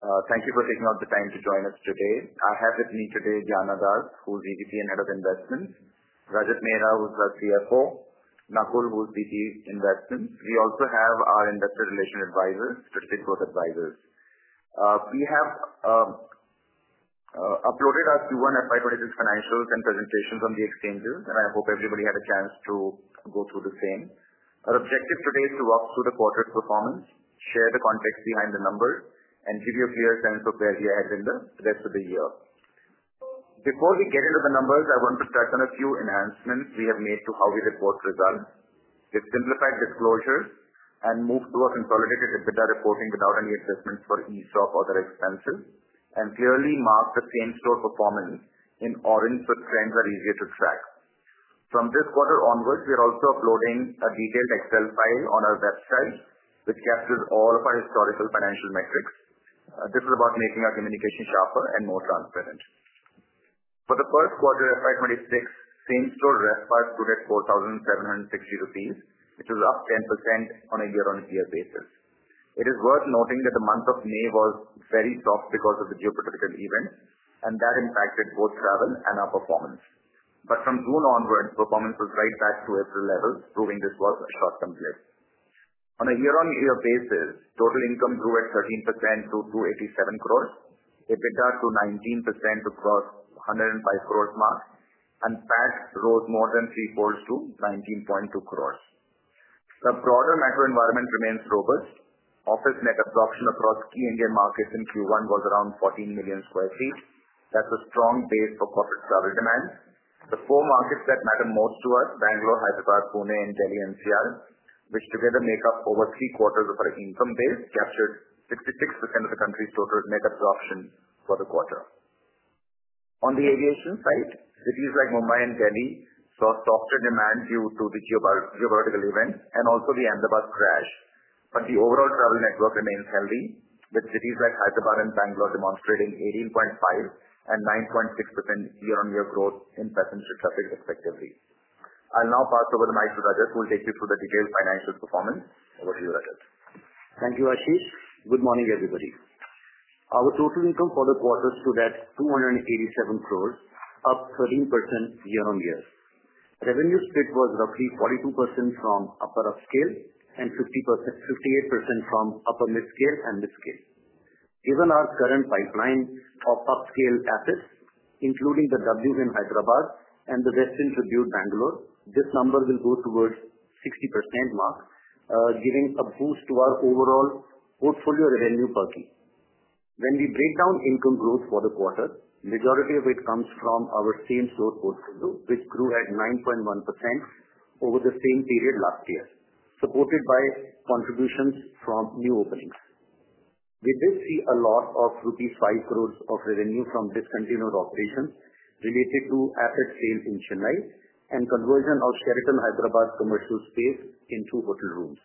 Thank you for taking out the time to join us today. I have with me today Janadas, who is the Vice President of Investments, Rajat Mehra, who is our CFO, and Nakul, who is VP of Investments. We also have our investor relations advisors, specifically those advisors. We have uploaded our Q1 and FY 2026 financials and presentations on the exchanges, and I hope everybody had a chance to go through the same. Our objective today is to walk through the quarter's performance, share the context behind the numbers, and give you a clear sense of where we are heading the rest of the year. Before we get into the numbers, I want to touch on a few enhancements we have made to how we report results. a On a year-on-year basis, total income grew at 13% to 287 crore, EBITDA grew 19% crossing the 105-crore mark, and PAT rose more than three-fold to 19.2 crore. The broader macro environment remains robust. Office net absorption across key Indian markets in Q1 was around 14 million sq ft. That's a strong base for corporate travel demands. The four markets that matter most to us, Bangalore, Hyderabad, Pune, and Delhi NCR, which together make up over 3/4 of our income base, captured 56% of the country's total net absorption for the quarter. On the aviation side, cities like Mumbai and Delhi saw a softer demand due to the geopolitical event and also the Ahmedabad crash. The overall travel network remains healthy, with cities like Hyderabad and Bangalore demonstrating 18.5% and 9.6% year-on-year growth in passenger traffic, respectively. I'll now pass over the mic to Rajat, who will take you through the detailed financial performance. Over to you, Rajat. Thank you, Ashish. Good morning, everybody. Our total income for the quarter stood at 287 crores, up 13% year-on-year. Revenue split was roughly 42% from upper-upscale and 58% from upper-midscale and midscale. Given our current pipeline of upscale assets, including the W Hyderabad and the rest in suburban Bangalore, this number will go towards the 60% mark, giving a boost to our overall portfolio revenue per seat. When we break down income growth for the quarter, the majority of it comes from our same-store portfolio, which grew at 9.1% over the same period last year, supported by contributions from new openings. We did see a loss of rupees 5 crores of revenue from discontinued operation related to asset sales in Chennai and conversion of Sheraton Hyderabad commercial space into hotel rooms.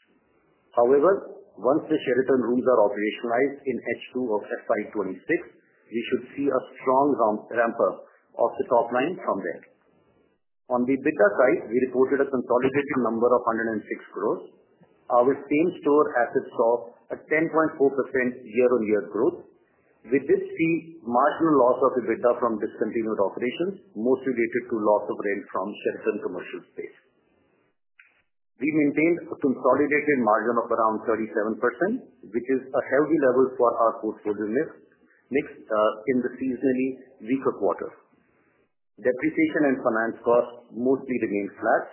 However, once the Sheraton rooms are operationalized in H2 of FY 2026, we should see a strong ramp-up of the top line from there. On the EBITDA side, we reported a consolidated number of 106 crores. Our same-store asset saw a 10.4% year-on-year growth. We did see a marginal loss of EBITDA from discontinued operation, mostly related to loss of rent from Sheraton commercial space. We maintained a consolidated margin of around 37%, which is a healthy level for our portfolio risk in the seasonally weaker quarter. Depreciation and finance costs mostly remain flat.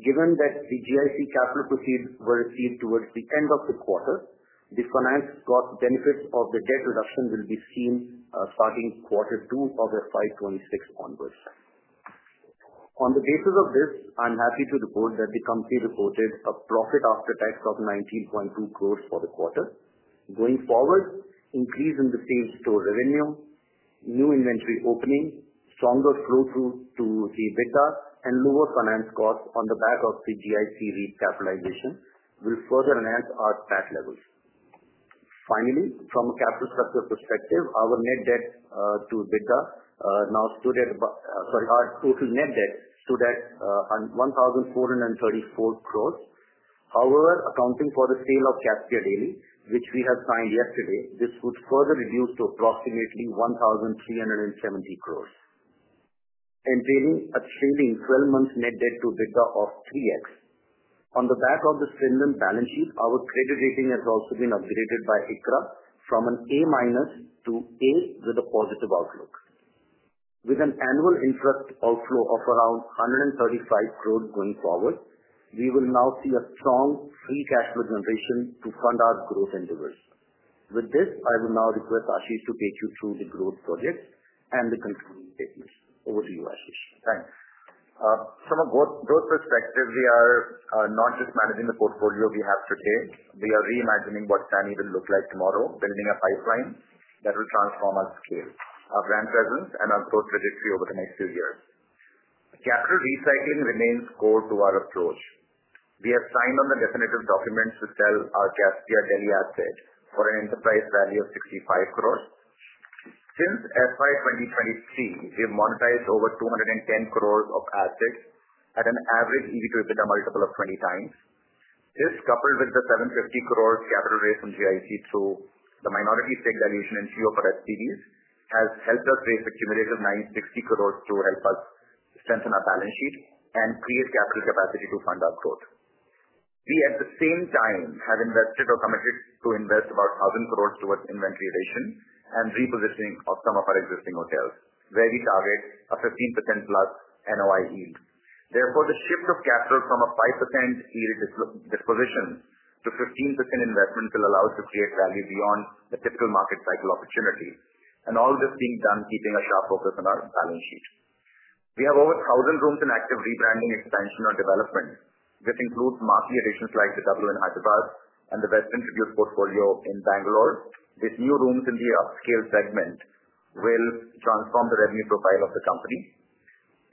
Given that the GIC capital proceeds were received towards the end of the quarter, the finance cost benefits of the debt reduction will be seen starting quarter two of FY 2026 onwards. On the basis of this, I'm happy to report that the company reported a profit after tax of 19.2 crores for the quarter. Going forward, increase in the same-store revenue, new inventory opening, stronger flow through to EBITDA, and lower finance costs on the back of the GIC recapitalization will further enhance our CAC levels. Finally, from a capital structure perspective, our net debt to EBITDA now stood at—sorry, our total net debt stood at 1,434 crores. However, accounting for the sale of Caspia Delhi, which we have signed yesterday, this was further reduced to approximately 1,370 crores, entailing a trailing 12-month net debt to EBITDA of 3x. On the back of the strengthened balance sheet, our credit rating has also been upgraded by ICRA from an A- to A with a positive outlook. With an annual interest outflow of around 135 crores going forward, we will now see a strong free cash flow generation to fund our growth endeavors. With this, I will now request Ashish to take you through the growth projects and the concerning figures. Over to you, Ashish. Thanks. From a growth perspective, we are not just managing the portfolio we have today. We are reimagining what it can even look like tomorrow, building a pipeline that will transform our scale, our brand presence, and our growth registry over the next few years. Capital recycling remains core to our approach. We have signed on the definitive documents to sell our Caspia Delhi assets for an enterprise value of 65 crore. Since FY 2023, we've monetized over 210 crore of assets at an average EBITDA multiple of 20x. This, coupled with the 750 crore capital raised from GIC through the minority stake dilution and co-investment for STDs, has helped us raise a cumulative 960 crore to help us strengthen our balance sheet and create capital capacity to fund our growth. We, at the same time, have invested or committed to invest about 1,000 crore towards inventory duration and repositioning of some of our existing hotels, where we target a 15%+ NOI yield. Therefore, the shift of capital from a 5% yield disposition to 15% investment will allow us to create value beyond the typical market cycle opportunity. All of this is being done, keeping a sharp focus on our balance sheet. We have over 1,000 rooms in active rebranding, expansion, and development. This includes market addition flights to Hyderabad and the Westin portfolio in Bangalore. The new rooms in the upscale segment will transform the revenue profile of the company.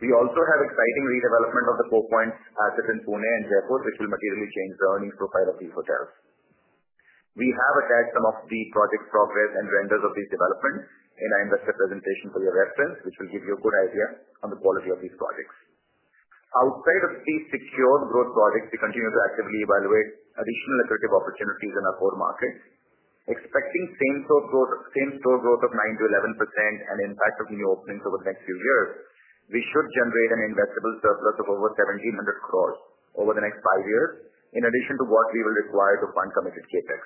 We also have exciting redevelopment of the Four Points assets in Pune and Jaipur, which will materially change the earnings profile of these hotels. We have attached some of the project's progress and renders of these developments in our investor presentation for your reference, which will give you a good idea on the quality of these projects. Outside of these secure growth projects, we continue to actively evaluate additional attractive opportunities in our core markets. Expecting same-store growth of 9%-11% and impact of new openings over the next few years, we should generate an investable surplus of over 1,700 crore over the next five years, in addition to what we will require to fund committed CapEx.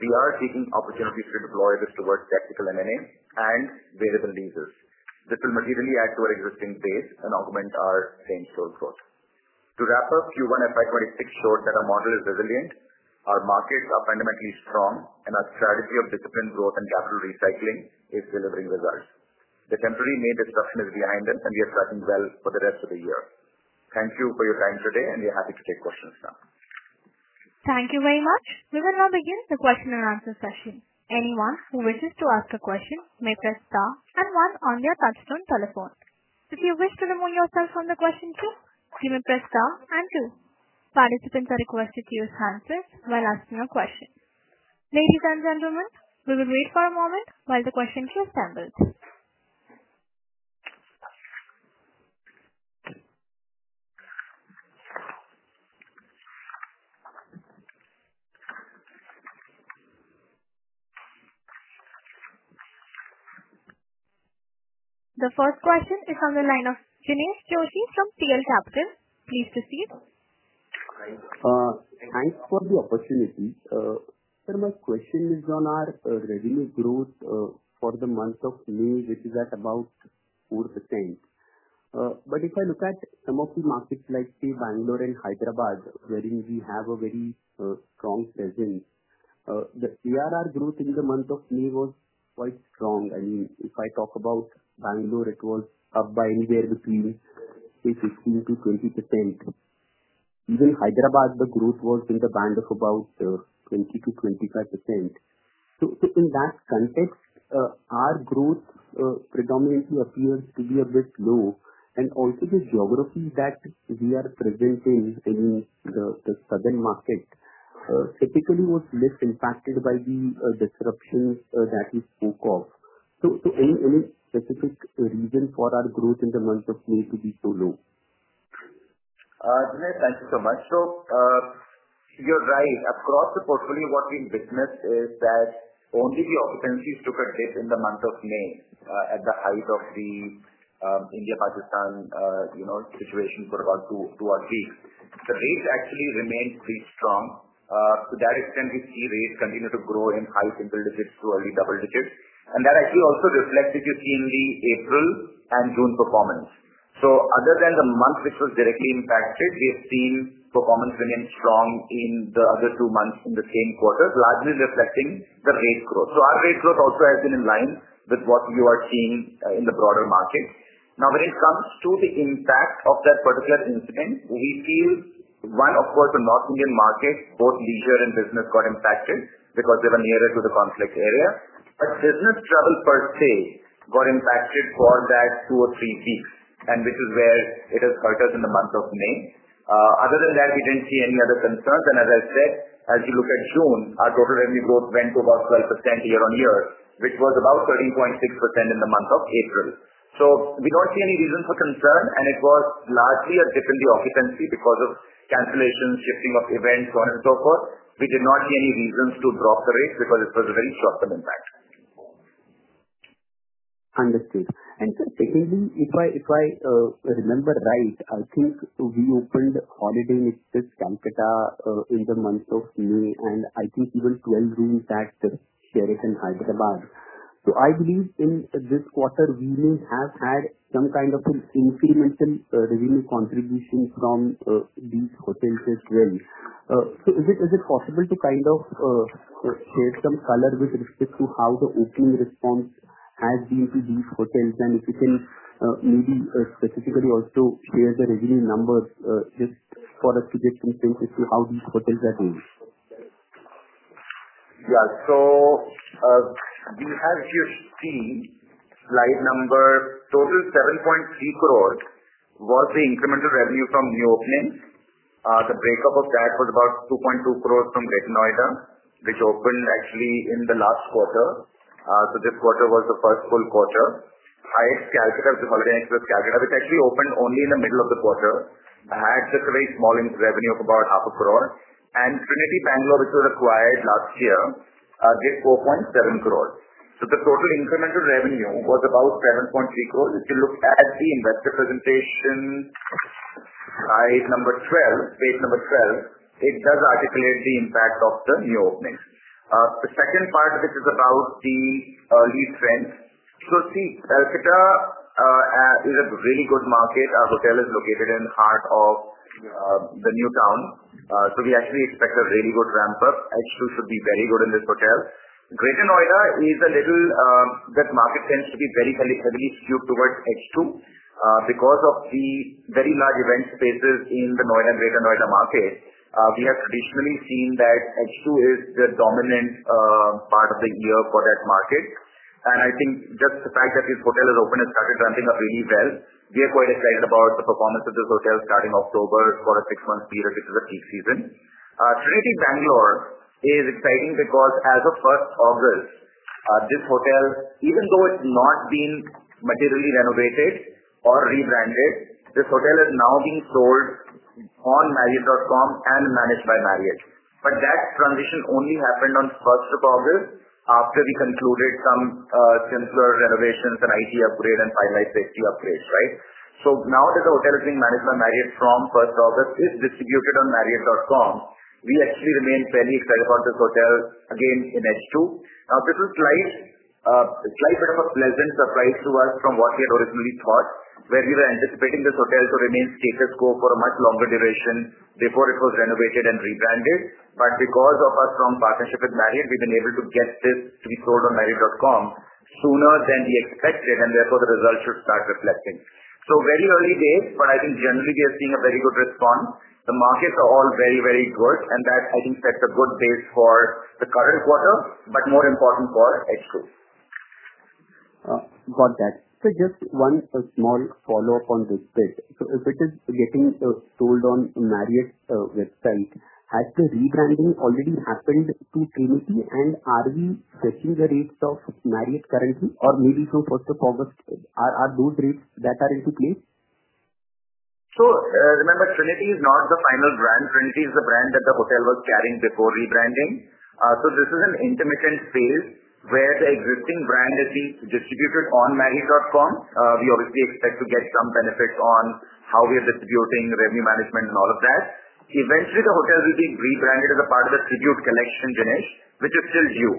We are seeking opportunities to deploy this towards technical M&A and variable leases. This will materially add to our existing base and augment our same-store growth. To wrap up, Q1 FY 2026 shows that our model is resilient, our markets are fundamentally strong, and our strategy of disciplined growth and capital recycling is delivering results. The temporary net disruption is behind us, and we are tracking well for the rest of the year. Thank you for your time today, and we are happy to take questions now. Thank you very much. We will now begin the question and answer session. Anyone who wishes to ask a question may press star and one on their touchstone telephone. If you wish to remove yourself from the question queue, you may press star and two. Participants are requested to use hands free while asking a question. Ladies and gentlemen, we will wait for a moment while the question queue is handled. The first question is on the line of Jinesh Joshi from PL Capital. Please proceed. Thanks for the opportunity. My question is on our revenue growth for the month of May, which is at about 4%. If I look at some of the markets like Bangalore and Hyderabad, wherein we have a very strong presence, the PRR growth in the month of May was quite strong. If I talk about Bangalore, it was up by anywhere between 15%-20%. Even Hyderabad, the growth was in the band of about 20%-25%. In that context, our growth predominantly appears to be a bit low. Also, the geography that we are present in in the southern market typically was less impacted by the disruptions that we spoke of. Is there any specific reason for our growth in the month of May to be so low? Janaya, thank you so much. No, you're right. Across the portfolio, what we've witnessed is that only the occupancies took a dip in the month of May at the height of the India-Pakistan situation for about two or three. The rates actually remained pretty strong. To that extent, we see rates continue to grow in high single digits to early double digits. That actually also reflects it you see in the April and June performance. Other than the month which was directly impacted, we have seen performance remain strong in the other two months in the same quarter, largely reflecting the rate growth. Our rate growth also has been in line with what you are seeing in the broader market. Now, when it comes to the impact of that particular incident, we feel one of the North Indian markets, both leisure and business, got impacted because they were nearer to the conflict area. The business travel per se got impacted for that two or three weeks, which is where it has hurt us in the month of May. Other than that, we didn't see any other concerns. As I said, as you look at June, our total revenue growth went to about 12% year-on-year, which was about 13.6% in the month of April. We don't see any reason for concern. It was largely a dip in the occupancy because of cancellations, shifting of events, so on and so forth. We did not see any reasons to drop the rates because it was a very sharp impact. Understood. Taking them, if I remember right, I think we opened Holiday Inn Express, Kolkata, in the month of May, and I think even 12 rooms at Sheraton Hyderabad. I believe in this quarter, we may have had some kind of an incremental revenue contribution from these hotels as well. Is it possible to kind of share some color with respect to how the opening response has been to these hotels? If you can maybe specifically also share the revenue numbers just for us to get some sense as to how these hotels are doing. Yeah. So we have here, see, flight number total 7.3 crore was the incremental revenue from new openings. The breakup of that was about 2.2 crore from Greater Noida, which opened actually in the last quarter. This quarter was the first full quarter. IH Kolkata, the Holiday Express Kolkata, which actually opened only in the middle of the quarter, had just a very small revenue of about 0.5 crore. Trinity Bangalore, which was acquired last year, did 4.7 crore. The total incremental revenue was about 7.3 crore. If you look at the investor presentation slide number 12, page number 12, it does articulate the impact of the new openings. The second part of it is about the lease strength. Kolkata is a really good market. Our hotel is located in the heart of the new town. We actually expect a really good ramp-up. H2 should be very good in this hotel. Greater Noida is a little. That market tends to be very heavily skewed towards H2 because of the very large event spaces in the Noida and Greater Noida market. We have recently seen that H2 is the dominant part of the year for that market. I think just the fact that this hotel has opened and started ramping up really well, we are quite excited about the performance of this hotel starting October for a six-month period, which is a peak season. Trinity Bangalore is exciting because as of 1st August, this hotel, even though it's not been materially renovated or rebranded, is now being sold on marriott.com and managed by Marriott. That transition only happened on 1st of August after we concluded some simpler renovations and IT upgrades and finalized the STU upgrades, right? Now that the hotel is being managed by Marriott from 1st August, it's distributed on marriott.com. We actually remain plenty excited about this hotel again in H2. This was quite a bit of a pleasant surprise to us from what we had originally thought, where we were anticipating this hotel to remain status quo for a much longer duration before it was renovated and rebranded. Because of our strong partnership with Marriott, we've been able to get this to be sold on marriott.com sooner than we expected, and therefore, the results should start reflecting. Very early days, but I think generally, we are seeing a very good response. The markets are all very, very good, and that sets a good base for the current quarter, but more important for H2. Got that. Just one small follow-up on this bit. If it is getting sold on the Marriott website, has the rebranding already happened to Trinity, and are we fetching the rates of Marriott currently, or maybe from 1st of August, are those rates that are into play? Remember, Trinity is not the final brand. Trinity is the brand that the hotel was carrying before rebranding. This is an intermittent sale where the existing brand is distributed on marriott.com. We obviously expect to get some benefits on how we are distributing the revenue management and all of that. Eventually, the hotel will be rebranded as a part of the Tribute Collection, which is still due.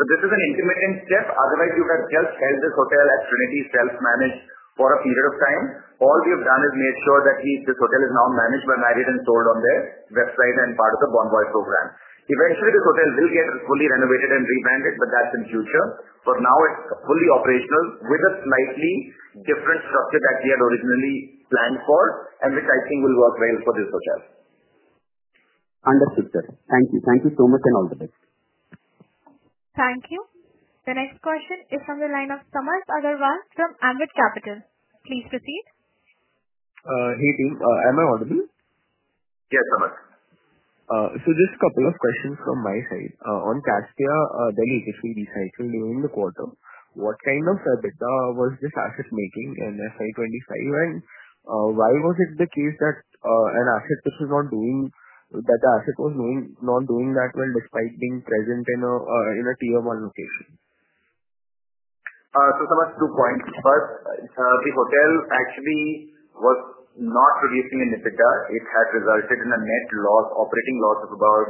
This is an intermittent step. Otherwise, you can just sell this hotel as Trinity self-managed for a period of time. All we have done is made sure that this hotel is now managed by Marriott and sold on their website and part of the Bombay program. Eventually, this hotel will get fully renovated and rebranded, but that's in the future. For now, it's fully operational with a slightly different structure that we had originally planned for and which I think will work well for this hotel. Understood, sir. Thank you. Thank you so much and all the best. Thank you. The next question is on the line of Samarth Agarwal from Ambit Capital. Please proceed. Hey, team. Am I audible? Yes, Samarth. Just a couple of questions from my side. On Caspia Delhi, if we decide to rename the quarter, what kind of EBITDA was this asset making in the FY 2025 rank? Why was it the case that the asset was not doing that well despite being present in a TMR location? There are two points. First, the hotel actually was not reducing in EBITDA. It had resulted in a net loss, operating loss of about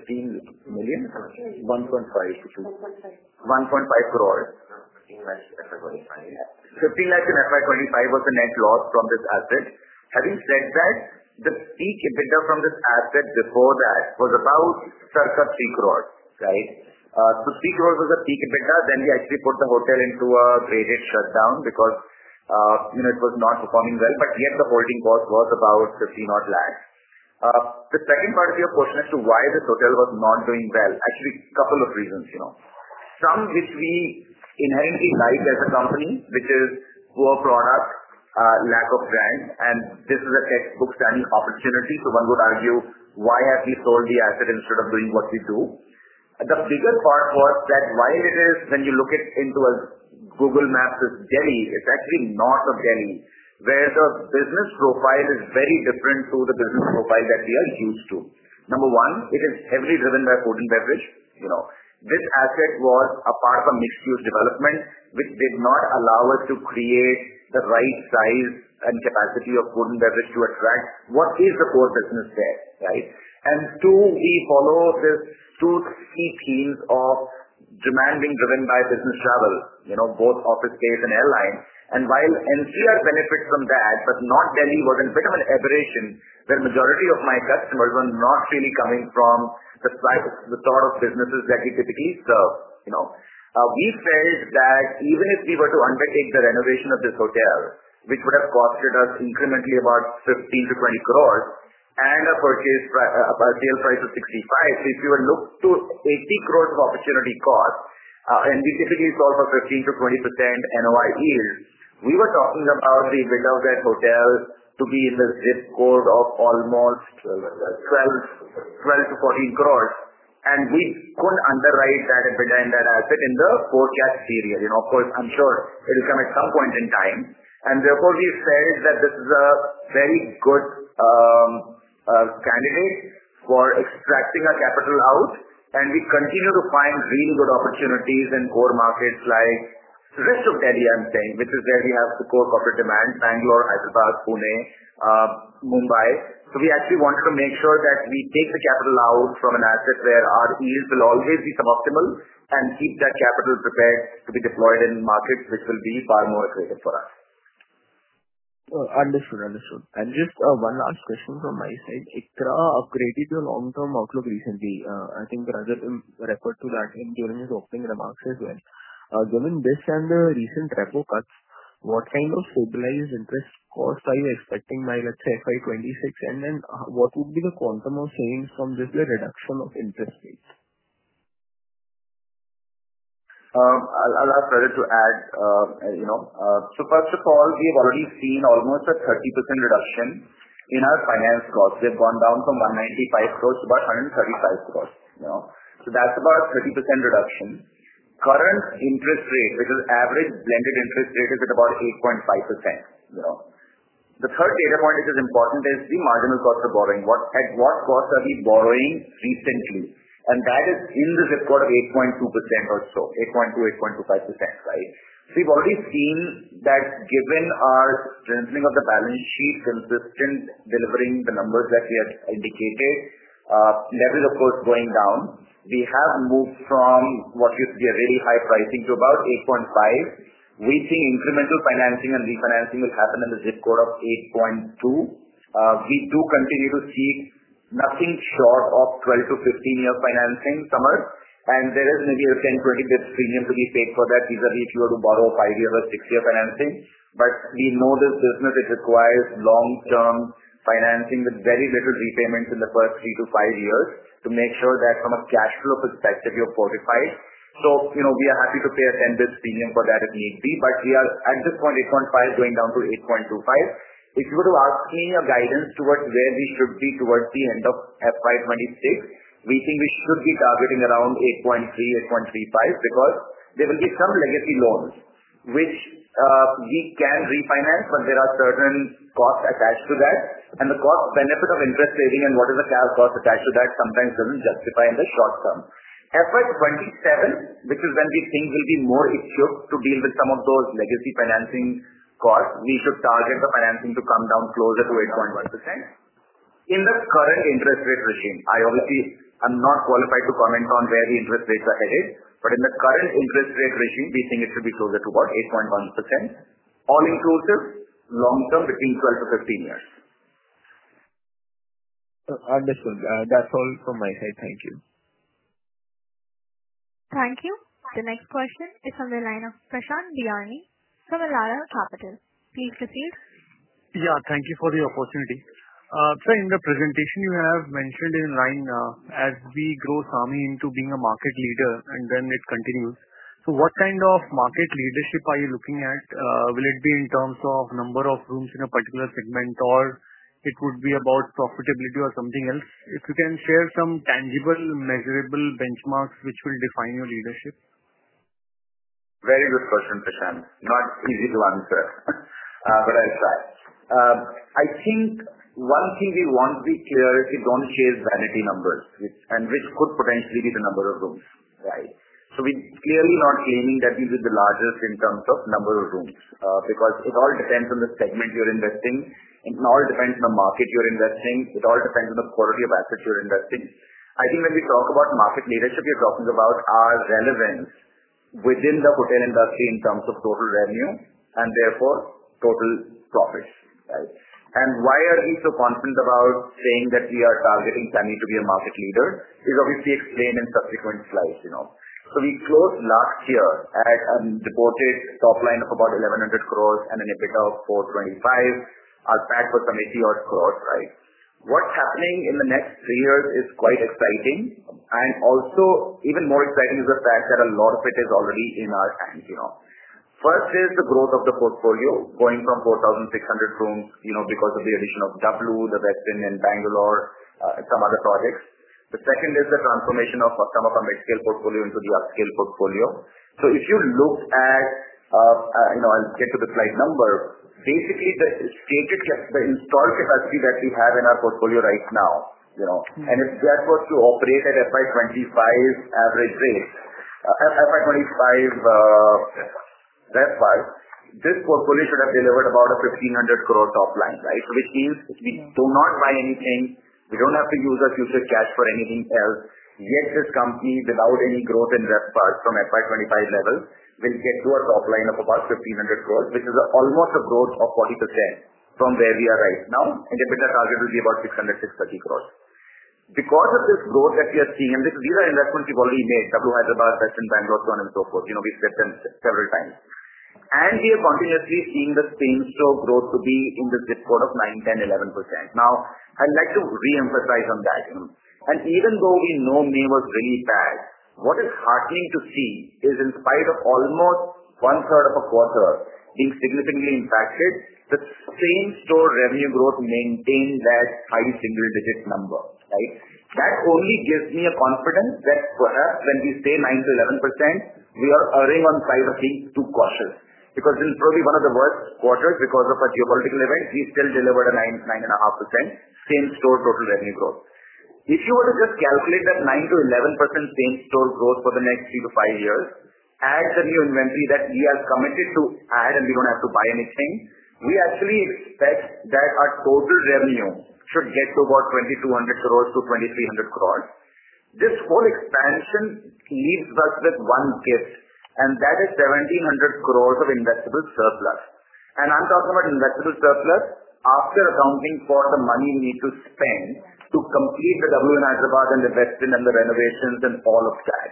15 million. Sorry, 1.5 million-2 million? INR 1.5 crores. 1.5 million in FY 2025 was the net loss from this asset. Having said that, the peak EBITDA from this asset before that was about circa 30 million, right? So 30 million was the peak EBITDA. We actually put the hotel into a graded shutdown because it was not performing well. Yet the holding cost was about 1.5 million. The second part of your question as to why this hotel was not doing well, actually, a couple of reasons. Some which we inherently like as a company, which is poor product, lack of brand. This is a textbook study opportunity. One would argue, why have we sold the asset instead of doing what we do? The bigger part was that while it is, when you look at it into Google Maps as Delhi, it's actually not a Delhi, where the business profile is very different to the business profile that we are used to. Number one, it is heavily driven by food and beverage. This asset was a part of a mixed-use development, which did not allow us to create the right size and capacity of food and beverage to attract what is the core business there, right? Two, we follow the two key themes of demand being driven by business travels, both office space and airline. While NCR benefits from that, not Delhi was a bit of an aberration where the majority of my customers were not really coming from the thought of businesses like utility serve. We felt that even if we were to undertake the renovation of this hotel, which would have cost us incrementally about 150 million-200 million and a purchase sale price of 650 million, if you were to look to 800 million of opportunity cost, and this typically falls for 15%-20% NOI yield, we were talking about the breakup of that hotel to be in this zip code of almost 120 million-140 million. We could underwrite that and pretend that outfit in the forecast series. Of course, I'm sure it will come at some point in time. Therefore, we felt that this is a very good candidate for extracting our capital out. We continue to find really good opportunities in core markets like the rest of Delhi, which is where we have core corporate demand: Bangalore, Hyderabad, Pune, Mumbai. We actually want to make sure that we take the capital out from an asset where our yield will always be suboptimal and keep that capital prepared to be deployed in markets which will be far more attractive for us. Understood, understood. Just one last question from my side. ICRA upgraded their long-term outlook recently. I think Rajat referred to that during his opening remarks as well. Given this and the recent repo cuts, what kind of stabilized interest cost are you expecting by, let's say, FY 2026? What would be the quantum of change from this reduction of interest rates? First of all, we've already seen almost a 30% reduction in our finance costs. They've gone down from 195 crore to about 135 crore. That's about a 30% reduction. Current interest rate, which is average blended interest rate, is at about 8.5%. The third data point, which is important, is the marginal cost of borrowing. What costs are we borrowing recently? That is in the zip code of 8.2% or so, 8.2%, 8.25%, right? We've already seen that given our strengthening of the balance sheets, consistent delivering the numbers that we have indicated, leverage, of course, going down. We have moved from what used to be a really high pricing to about 8.5%, reaching incremental financing and refinancing which happened in the zip code of 8.2%. We do continue to see nothing short of 12-15 year financing. There is an idea of saying 20 basis points premium to be safe for that, usually if you were to borrow a five-year or six-year financing. We know this business requires long-term financing with very little repayments in the first three to five years to make sure that from a cash flow perspective, you're fortified. We are happy to pay an ended premium for that at 80 basis points. We are at this point, 8.5% is going down to 8.25%. If you were to ask me a guidance towards where we should be towards the end of FY 2026, we think we should be targeting around 8.3%, 8.35% because there will be some legacy loans which we can refinance, but there are certain costs attached to that. The benefit of interest saving and whatever cash costs attached to that sometimes doesn't justify in the short term. FY 2027, which is when we think we'll be more issued to deal with some of those legacy financing costs, we should target the financing to come down closer to 8.1%. In the current interest rate regime, I obviously am not qualified to comment on where the interest rates are headed, but in the current interest rate regime, we think it should be closer to about 8.1%, all inclusive long-term between 12-15 years. Understood. That's all from my side. Thank you. Thank you. The next question is on the line of Prashant Biyani from Elara Capital. Please proceed. Thank you for the opportunity. Sir, in the presentation, you have mentioned in line as we grow SAMHI into being a market leader, and then it continues. What kind of market leadership are you looking at? Will it be in terms of number of rooms in a particular segment, or would it be about profitability or something else? If you can share some tangible, measurable benchmarks which will define your leadership. Very good question, Prashant. Not easy to answer, but I'll try. I think one thing we want to be clear is we don't chase vanity numbers, which could potentially be the number of rooms, right? We're clearly not aiming that we will be the largest in terms of number of rooms because it all depends on the segment you're investing in. It all depends on the market you're investing in. It all depends on the quality of assets you're investing in. I think when we talk about market leadership, we're talking about our relevance within the hotel industry in terms of total revenue and therefore total profits, right? Why are we so confident about saying that we are targeting SAMHI to be a market leader is obviously explained in subsequent flows. You know, we closed last year at a reported top line of about 1,100 crore and an EBITDA of 425 crore, our profit after tax was 22 crore, right? What's happening in the next three years is quite exciting. Also, even more exciting is the fact that a lot of it is already in our hands. First is the growth of the portfolio going from 4,600 rooms, you know, because of the addition of W, the Westin Bangalore, and some other projects. The second is the transformation of some of our mid-scale portfolio into the upscale portfolio. If you look at, you know, I'll get to the flight number, basically, the installed capacity that we have in our portfolio right now, you know, and if that was to operate at FY 2025 average rate, FY 2025 RevPARs, this portfolio could have delivered about an 1,500 crore top line, right? Which means we do not buy anything. We don't have to use our future cash for anything else. Yet this company, without any growth in RevPARs from FY 2025 level, will get to a top line of about 1,500 crore, which is almost a growth of 40% from where we are right now. In the business, our target will be about 600 crore-630 crore. Because of this growth that we are seeing, and these are investments we've already made, W, Hyderabad, Westin Bangalore, so on and so forth. You know, we've said them several times. We are continuously seeing the same-store growth to be in the zip code of 9%, 10%, 11%. I'd like to reemphasize on that. Even though we know May was really bad, what is heartening to see is in spite of almost 1/3 of a quarter being significantly impacted, the same-store revenue growth maintained that high single-digit number, right? That only gives me a confidence that when we say 9%-11%, we are earning on five or two quarters. Because in probably one of the worst quarters, because of a geopolitical event, we still delivered a 9%, 9.5% same-store total revenue growth. If you were to just calculate that 9%-11% same-store growth for the next three to five years, add the new inventory that we are committed to add, and we don't have to buy anything, we actually expect that our core revenue should get to about 2,200 crores-2,300 crores. This whole expansion leaves us with one gift, and that is 1,700 crores of investable surplus. I'm talking about investable surplus after accounting for the money we need to spend to complete the W and Hyderabad and the Westin and the renovations and all of that.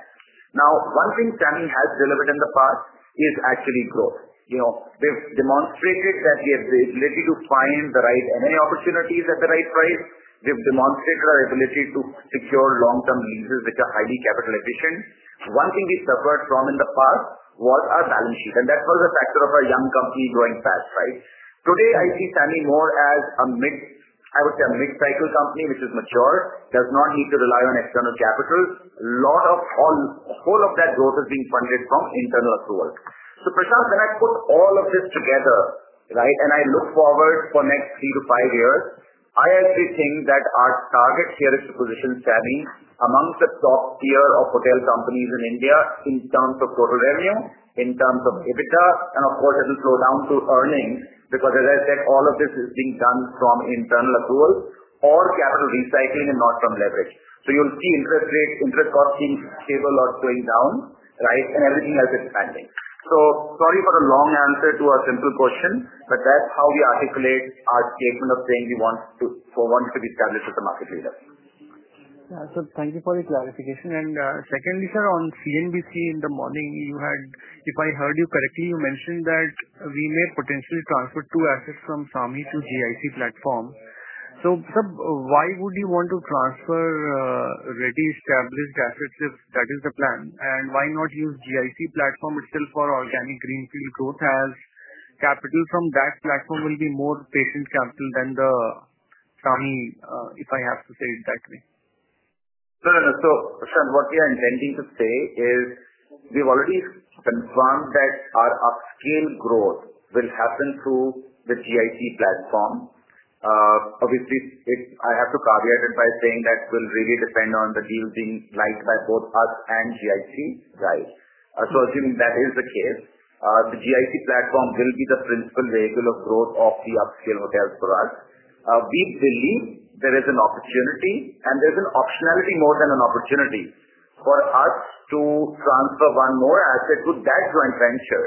Now, one thing SAMHI has delivered in the past is actually growth. They've demonstrated that we have the ability to find the right M&A opportunities at the right price. They've demonstrated our ability to secure long-term leases which are highly capitalization. One thing we suffered from in the past was our balance sheet, and that was a factor of our young company growing fast, right? Today, I see SAMHI more as a mid, I would say, a mid-cycle company which is mature, does not need to rely on external capital. A lot of all of that growth is being funded from internal accruals. Prashant, when I put all of this together, and I look forward for the next three to five years, I actually think that our target share is to position SAMHI amongst the top tier of hotel companies in India in terms of core revenue, in terms of EBITDA, and of course, it will slow down to earnings because as I said, all of this is being done from internal accrual or capital recycling and not from leverage. You'll see interest costs being stable or going down, and everything else expanding. Sorry for the long answer to your simple questions, but that's how we articulate our statement of saying we want to be established as the market leader. Thank you for your clarification. Secondly, sir, on CNBC in the morning, you had, if I heard you correctly, you mentioned that we may potentially transfer two assets from SAMHI to GIC platform. Sir, why would you want to transfer already established assets if that is the plan? Why not use GIC platform itself for organic greenfield growth as capital from that platform will be more patient capital than the SAMHI, if I have to say it that way? No, no, no. Prashant, what we are intending to say is we've already confirmed that our upscaling growth will happen through the GIC platform. Obviously, I have to caveat it by saying that will really depend on the view being liked by both us and GIC, right? Assuming that is the case, the GIC platform will be the principal vehicle of growth of the upscale hotels for us. We believe there is an opportunity, and there's an optionality more than an opportunity for us to transfer one more asset to that joint venture,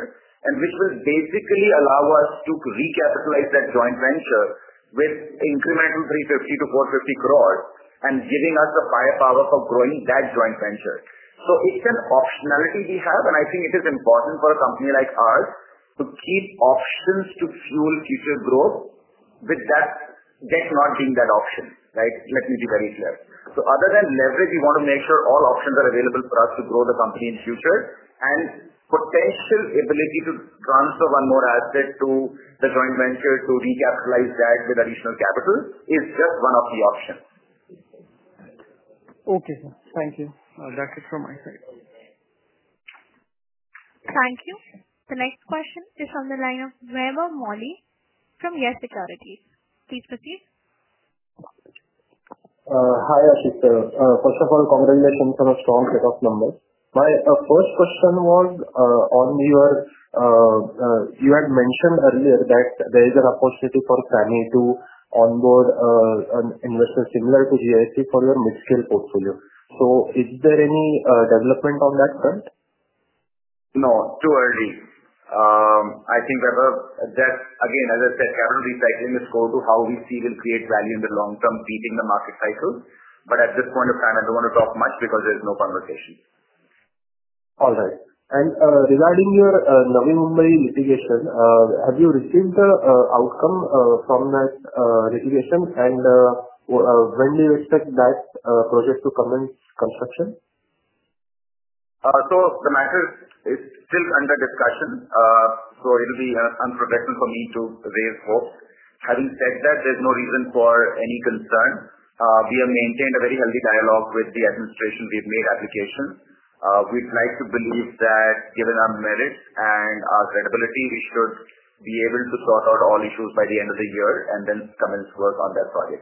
which will basically allow us to recapitalize that joint venture with incremental 350 crore-450 crore and giving us the buyer power for growing that joint venture. It's an optionality we have, and I think it is important for a company like ours to keep options to fuel future growth with that not being that option, right? Let me be very clear. Other than leverage, we want to make sure all options are available for us to grow the company in the future, and potential ability to transfer one more asset to the joint venture to recapitalize that with additional capital is just one of two options. Okay, sir. Thank you. That's it from my side. Thank you. The next question is on pathe line of Veer Moli from YES SECURITIES. Please proceed. Hi, Ashish. First of all, congratulations on a strong takeoff number. My first question was on your, you had mentioned earlier that there is an opportunity for SAMHI to onboard an investor similar to GIC for your mid-scale portfolio. Is there any development on that front? No, too early. I think there are, as I said, capital recycling is going to, how we see, will create value in the long term, feeding the market cycle. At this point of time, I don't want to talk much because there is no conversation. All right. Regarding your Navi Mumbai litigation, have you received the outcome from that litigation? When do you expect that process to commence construction? The matter is still under discussion. It will be unfortunate for me to raise hope. Having said that, there's no reason for any concern. We have maintained a very healthy dialogue with the administrations. We've made applications. We'd like to believe that given our merits and our credibility, we should be able to sort out all issues by the end of the year and then commence work on that project.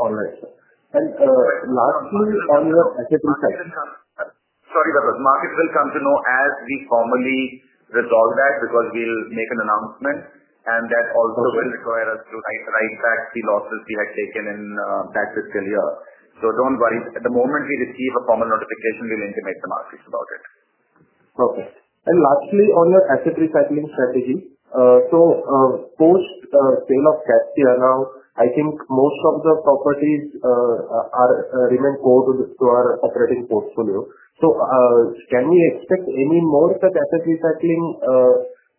All right. Lastly, on your market insight. Sorry, the markets will come to know as we formally resolve that because we'll make an announcement. That also will require us to iterate back. The losses we have taken in the past fiscal year. Don't worry. At the moment we receive a formal notification, we'll inform the markets about it. Perfect. Lastly, on your asset recycling strategy, post-sale of Caspia Delhi, I think most of the properties remain core to our operating portfolio. Can we expect any more of that asset recycling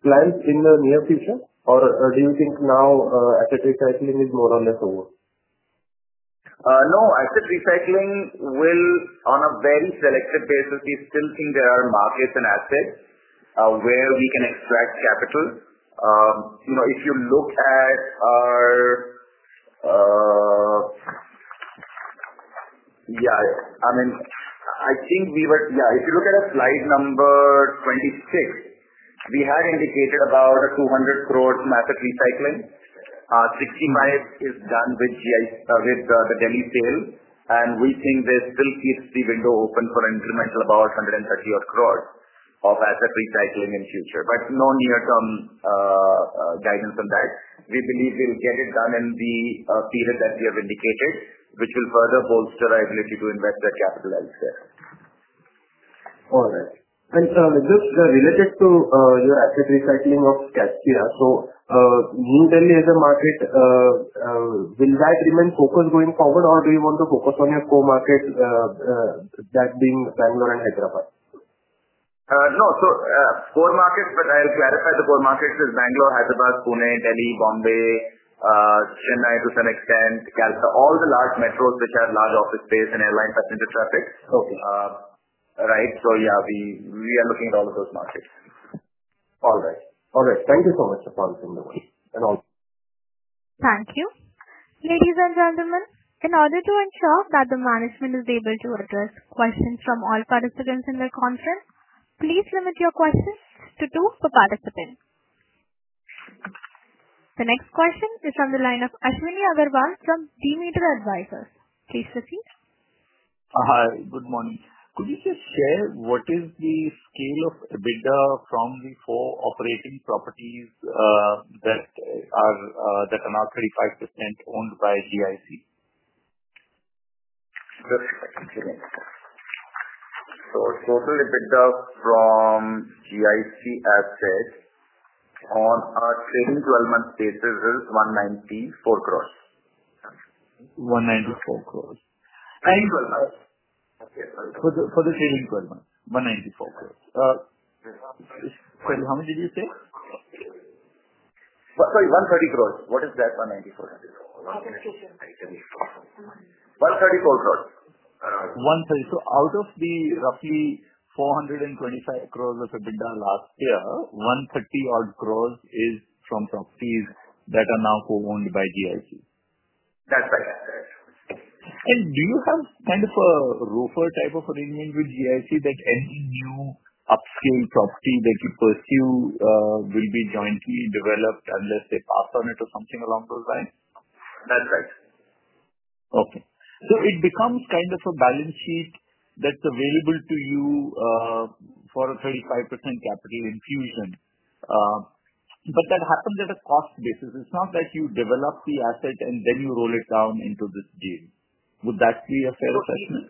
plans in the near future? Do you think now asset recycling is more on the floor? No, asset recycling will, on a very selective basis, we still think there are markets and assets where we can extract capital. If you look at our, yeah, I mean, I think we were, yeah, if you look at slide number 26, we had indicated about an 200 crore asset recycling. Our 65 crore is done with the Delhi sale. We think there's still a THC window open for an increment of about 130 crore of asset recycling in the future. No near-term guidance on that. We believe we'll get it done in the period that we have indicated, which will further bolster our ability to invest that capital elsewhere. All right. Sir, this is related to your asset recycling of Caspia. Will any other market remain focused going forward, or do you want to focus on your core markets, that being Bangalore and Hyderabad? No, core markets, but I'll clarify the core markets is Bangalore, Hyderabad, Pune, Delhi, Bombay, Chennai to some extent, Kolkata, all the large metros which are large office space and airline-facilitated traffics, right? Yeah, we are looking at all of those markets. All right. Thank you so much. Thank you. Ladies and gentlemen, in order to ensure that the management is able to address questions from all participants in the conference, please limit your questions to two per participant. The next question is on the line of Ashwini Agarwal from Demeter Advisors. Please proceed. Hi, good morning. Could you just share what is the scale of EBITDA from the four operating properties that are the Kanakapura 5% owned by GIC? Our total EBITDA from GIC assets on a trailing 12-month basis is 194 crore. 194 crores. For the trailing 12 months, 194 crores. How much did you say? Sorry, 130 crores. What is that, 194 crores? 134 crores. 134 crore. Out of the roughly 425 crore of EBITDA last year, 130 odd crore is from properties that are now co-owned by GIC. That's right. Do you have kind of a right of first refusal type of arrangement with GIC that any new upscaling property that you pursue will be jointly developed unless they pass on it or something along those lines? That's right. Okay. It becomes kind of a balance sheet that's available to you for a 35% capital infusion. That happens at a cost basis. It's not like you develop the asset and then you roll it down into this daily. Would that be a fair assessment?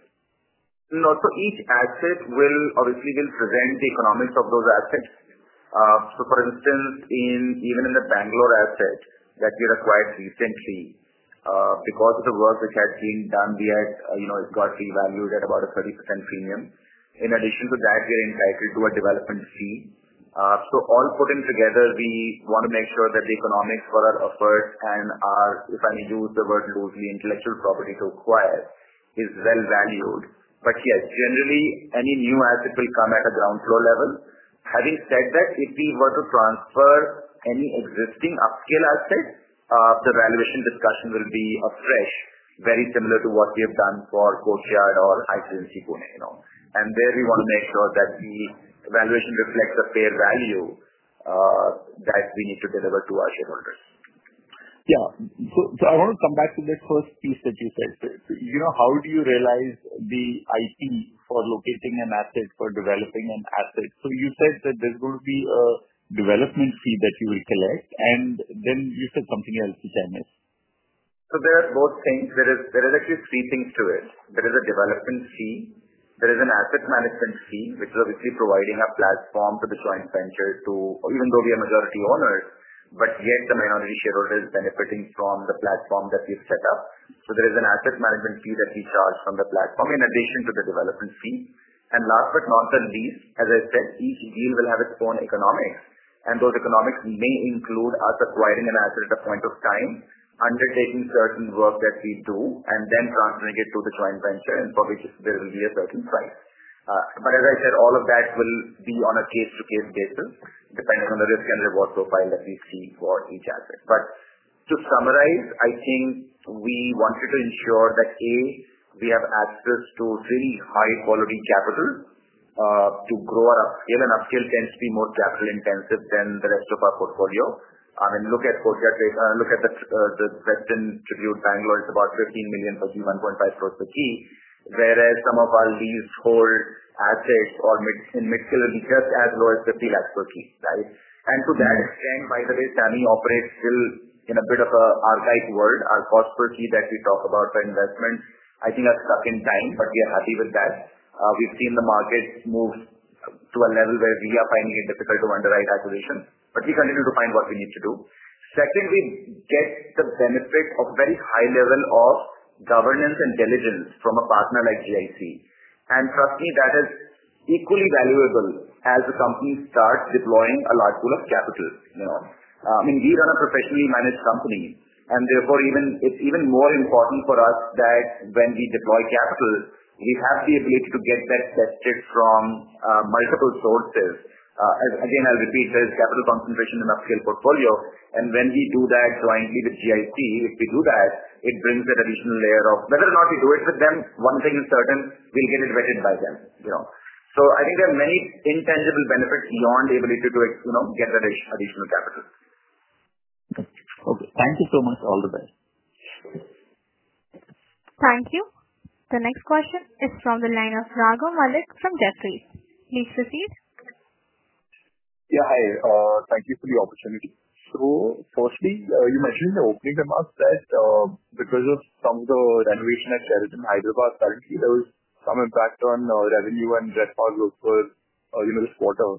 No. Each asset will obviously present the economics of those assets. For instance, even in the Bangalore asset that we acquired recently, because of the work which had been done there, it got revalued at about a 30% premium. In addition to that, we're entitled to a development fee. All putting together, we want to make sure that the economics for our offers and our, if I use the word loosely, intellectual property to acquire is well valued. Yes, generally, any new asset will come at a ground floor level. Having said that, if we were to transfer any existing upscale asset, the valuation discussion will be afresh, very similar to what we have done for Courtyard or Hyatt Regency Pune. There we want to make sure that the valuation reflects a fair value that we need to deliver to our shareholders. Yeah. I want to come back to the first piece that you said. You know, how do you realize the IT for locating an asset for developing an asset? You said that there's going to be a development fee that you will collect, and then you said something else, Ashish. There are both things. There are actually three things to it. There is a development fee. There is an asset management fee, which is obviously providing a platform to the joint venture. Even though we are majority owners, the minority shareholder is benefiting from the platform that we've set up. There is an asset management fee that we charge from the platform in addition to the development fee. Last but not the least, as I said, each deal will have its own economics. Those economics may include us acquiring an asset at a point of time, undertaking certain work that we do, and then transferring it to the joint venture for which there will be a certain price. All of that will be on a case-to-case basis depending on the risk and reward profile that we see for each asset. To summarize, I think we wanted to ensure that, A, we have access to three high-quality capitals to grow. Given upscale tends to be more capital-intensive than the rest of our portfolio. I mean, look at Courtyard, look at the Westin Tribute Bangalore. It's about 15 million, 31.5 crores per key, whereas some of all these whole assets or mid-scale and mid-cap capital are at lower 50 lakhs per key, right? To that extent, by the way, Tamil operates still in a bit of an archaic world. Our cost per key that we talk about for investment, I think, are stuck in time, but we are happy with that. We've seen the markets move to a level where we are finding it difficult to underwrite acquisitions. We continue to find what we need to do. Secondly, get the benefit of a very high level of governance and diligence from a partner like GIC. Trust me, that is equally valuable as a company starts deploying a large pool of capital. We run a perpetually managed company. Therefore, it's even more important for us that when we deploy capital, we have the ability to get that tested from multiple sources. Again, I'll repeat, there is capital concentration in the upscale portfolio. When we do that jointly with GIC, if we do that, it brings an additional layer of whether or not we do it with them, one thing is certain, we get it vetted by them. I think there are many intangible benefits beyond the ability to get an additional capital. Okay, thank you so much. All the best. Thank you. The next question is from the line of Raghav Malik from Jefferies. Please proceed. Yeah, hi. Thank you for the opportunity. Firstly, you mentioned in the opening remarks that because of some of the renovation at Sheraton Hyderabad, apparently, there was some impact on revenue and RevPAR this quarter.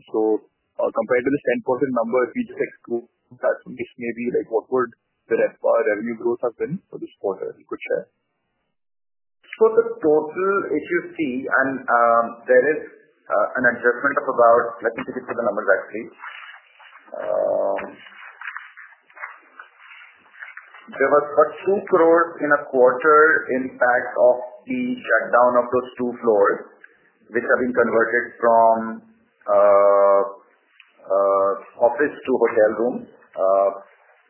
Compared to the 10% number, if you just explain to me what would the RevPAR revenue growth have been for this quarter, if you could share? If you see, there is an adjustment of about, let me take you to the numbers I've saved. There were about 20 million in a quarter in fact of the shutdown of those two floors, which have been converted from office to hotel rooms.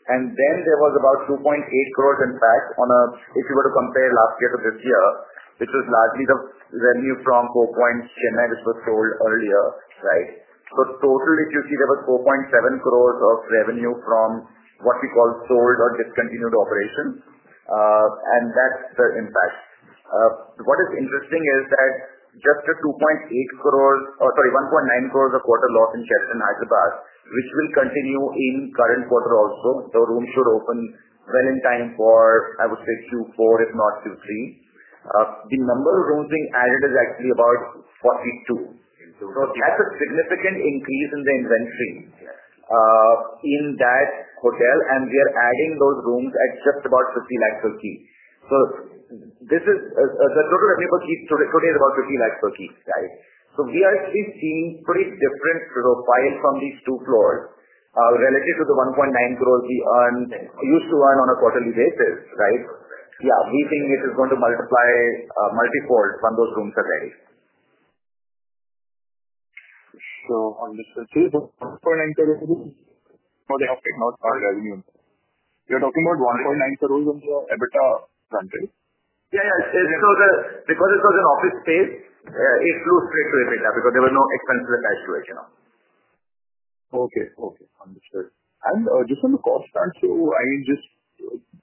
There was about 28 million in fact on a, if you were to compare last year to this year, which was largely the revenue from Four Points Chennai, which was sold earlier, right? If you see, there was 47 million of revenue from what we call sold or discontinued operations, and that's the impact. What is interesting is that just the 28 million or, sorry, 19 million a quarter loss in Sheraton Hyderabad, which will continue in the current quarter also. The rooms will open in time for, I would say, Q4, if not Q3. The number of rooms being added is actually about 42. That's a significant increase in the inventory in that hotel, and we are adding those rooms at just about 5 million per key. As I told you, revenue per key today is about 5 million per key, right? We are actually seeing pretty different profiles from these two floors relative to the 19 million we used to earn on a quarterly basis, right? We think this is going to multiply multiples when those rooms are ready. On the surface, the per enter is about, for the uptake not far revenue. You're talking about 1.9 crores on the EBITDA? Country. Yeah, yeah. Because it was an office space, it's low space, yeah, because there were no expenses attached to it. Okay. Okay. Understood. Just on the cost, I mean, just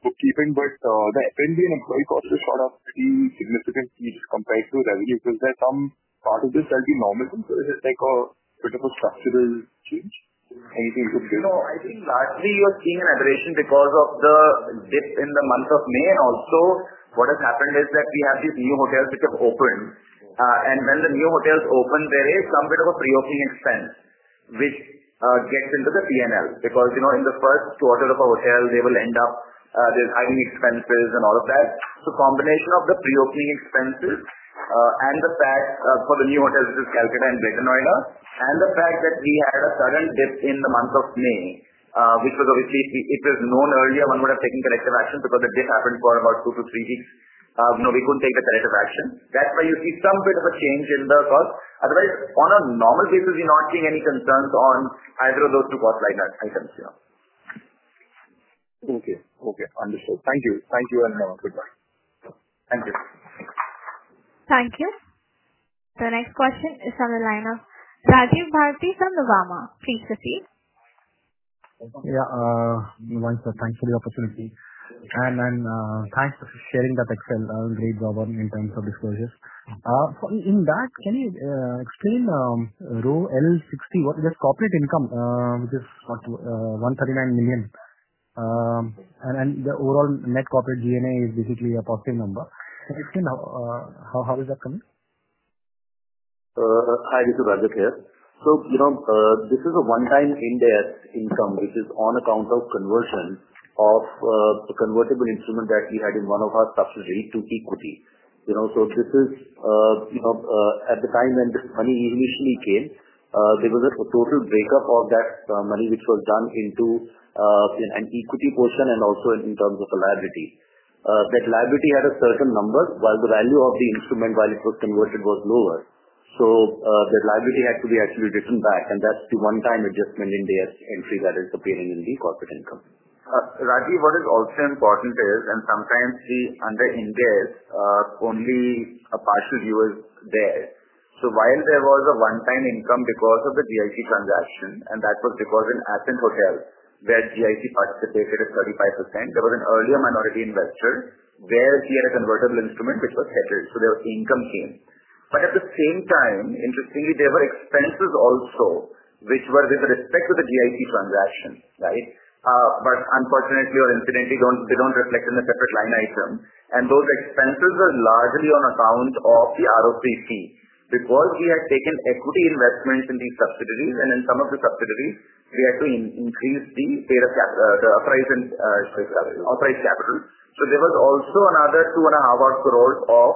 the cheapened, but the F&B and employee cost is not a key significant fee compared to revenue. Is there some part of this revenue momentum? Is it like a bit of a flexible fee? Anything you could say? No, I think largely you are seeing an aberration because of the dip in the month of May. Also, what has happened is that we have these new hotels which have opened. When the new hotels open, there is some bit of a pre-opening expense, which gets into the P&L because, you know, in the first quarter of a hotel, they will end up designing expenses and all of that. A combination of the pre-opening expenses and the pack for the new hotels, which is Kolkata and Greater Noida, and the fact that we had a current dip in the month of May, which was obviously, if it was known earlier, one would have taken corrective action because the dip happened for about two to three weeks. No, we couldn't take a corrective action. That's why you see some bit of a change in the cost. Otherwise, on a normal basis, you're not seeing any concerns on either of those two cost line items. Thank you. Okay. Understood. Thank you. Thank you and goodbye. Thank you. Thank you. The next question is on the line of Rajiv Bharti from Nuvama. Please proceed. Yeah, once again, thanks for the opportunity. Thanks for sharing the detail on Great Bombay in terms of the sources. In that, can you explain row L60? There's corporate income, which is 139 million, and the overall net corporate G&A is basically a positive number. How is that coming? Hi, this is Rajat here. This is a one-time index income, which is on account of conversion of a convertible instrument that we had in one of our subsidiaries to equity. This is at the time when the money evolutionary came, there was a total breakup of that money, which was done into an equity portion and also in terms of the liability. That liability had a certain number, while the value of the instrument while it was converted was lower. The liability had to be actually written back. That's the one-time adjustment in the entry that is appearing in the corporate income. Rajiv, what is also important is, and sometimes we under-index only a partial viewer there. While there was a one-time income because of the GIC transaction, and that was because in Athens Hotel, where GIC participated at 35%, there was an earlier minority investor where he had a convertible instrument, which was headed. There was income came. At the same time, interestingly, there were expenses also, which were with respect to the GIC transaction, right? Unfortunately or incidentally, they don't reflect in the separate line item. Those expenses are largely on account of the ROCC. Because we had taken equity investments in these subsidiaries, and in some of the subsidiaries, we had to increase the authorized capital. There was also another 200 crore of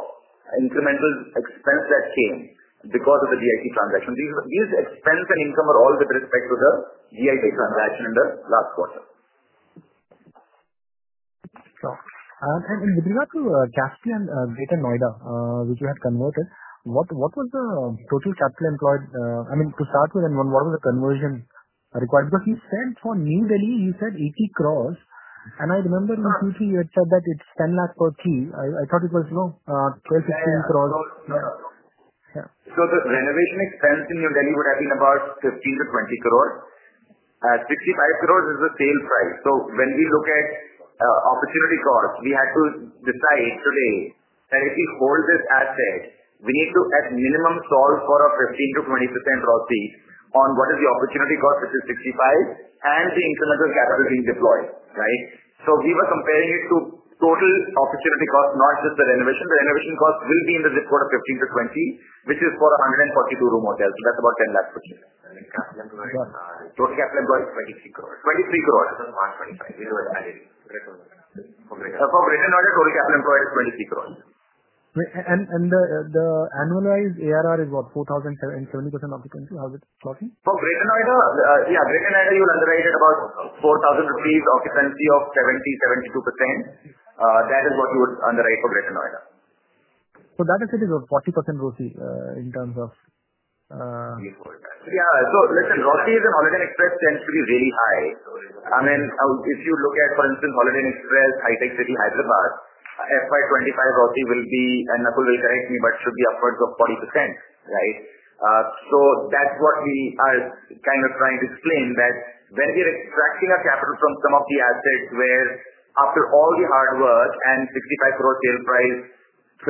incremental expense that came because of the GIC transaction. These expenses income are all with respect to the GIC transaction in the last quarter. In regard to Caspia and Greater Noida, which you had converted, what was the total capital employed? I mean, to start with, and what was the conversion required? You said for New Delhi, you said 80 crore. I remember in QC, you had said that it's 10 lakh per key. I thought it was, no, 12 crore, INR 15 crore of. The renovation expense in New Delhi would have been about 15 crore-20 crore. 65 crore is the same price. When we look at opportunity costs, we had to decide today that if we hold this asset, we need to at minimum solve for a 15%-20% ROC on what is the opportunity cost of the 65 crore and the incremental capital being deployed, right? We were comparing it to total opportunity cost, not just the renovation. The renovation cost will be in the zip code of 15 crore-20 crore, which is for a 142-room hotel. That's about 10 lakh per key. Total capital employed is 23 crore. 23 crores. As in 125? Corporation audit, total capital employed is INR 23 crore. What is the annualized ARR? 4,070, percent of occupancy? How is it plotting? For Greater Noida, yeah, Greater Noida, you will underwrite at about 4,000 rupees occupancy of 70%-72%. That is what you would underwrite for Greater Noida. That asset is a 40% ROC in terms of. Yeah. ROCs in Holiday Express tend to be very high. I mean, if you look at, for instance, Holiday Express, HITEC City, Hyderabad, FY 2025 ROC will be an equal rate of, but should be upwards of 40%, right? That's what we are kind of trying to explain, that when we are extracting our capital from some of the assets where after all the hard work and 65 crore sale price,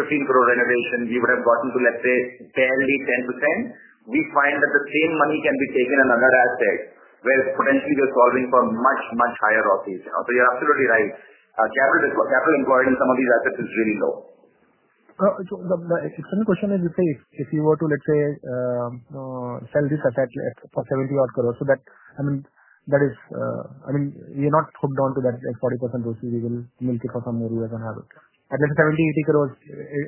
15 crore renovation, we would have gotten to, let's say, barely 10%, we find that the same money can be taken in another asset where potentially there's already much, much higher ROCs. You're absolutely right. Capital employed in some of these assets is really low. The external question is, let's say, if you were to sell this asset for 70 crore, that is, I mean, you're not hooked on to that 40% ROC, we will milk it for some more years or however. At least 70 crore or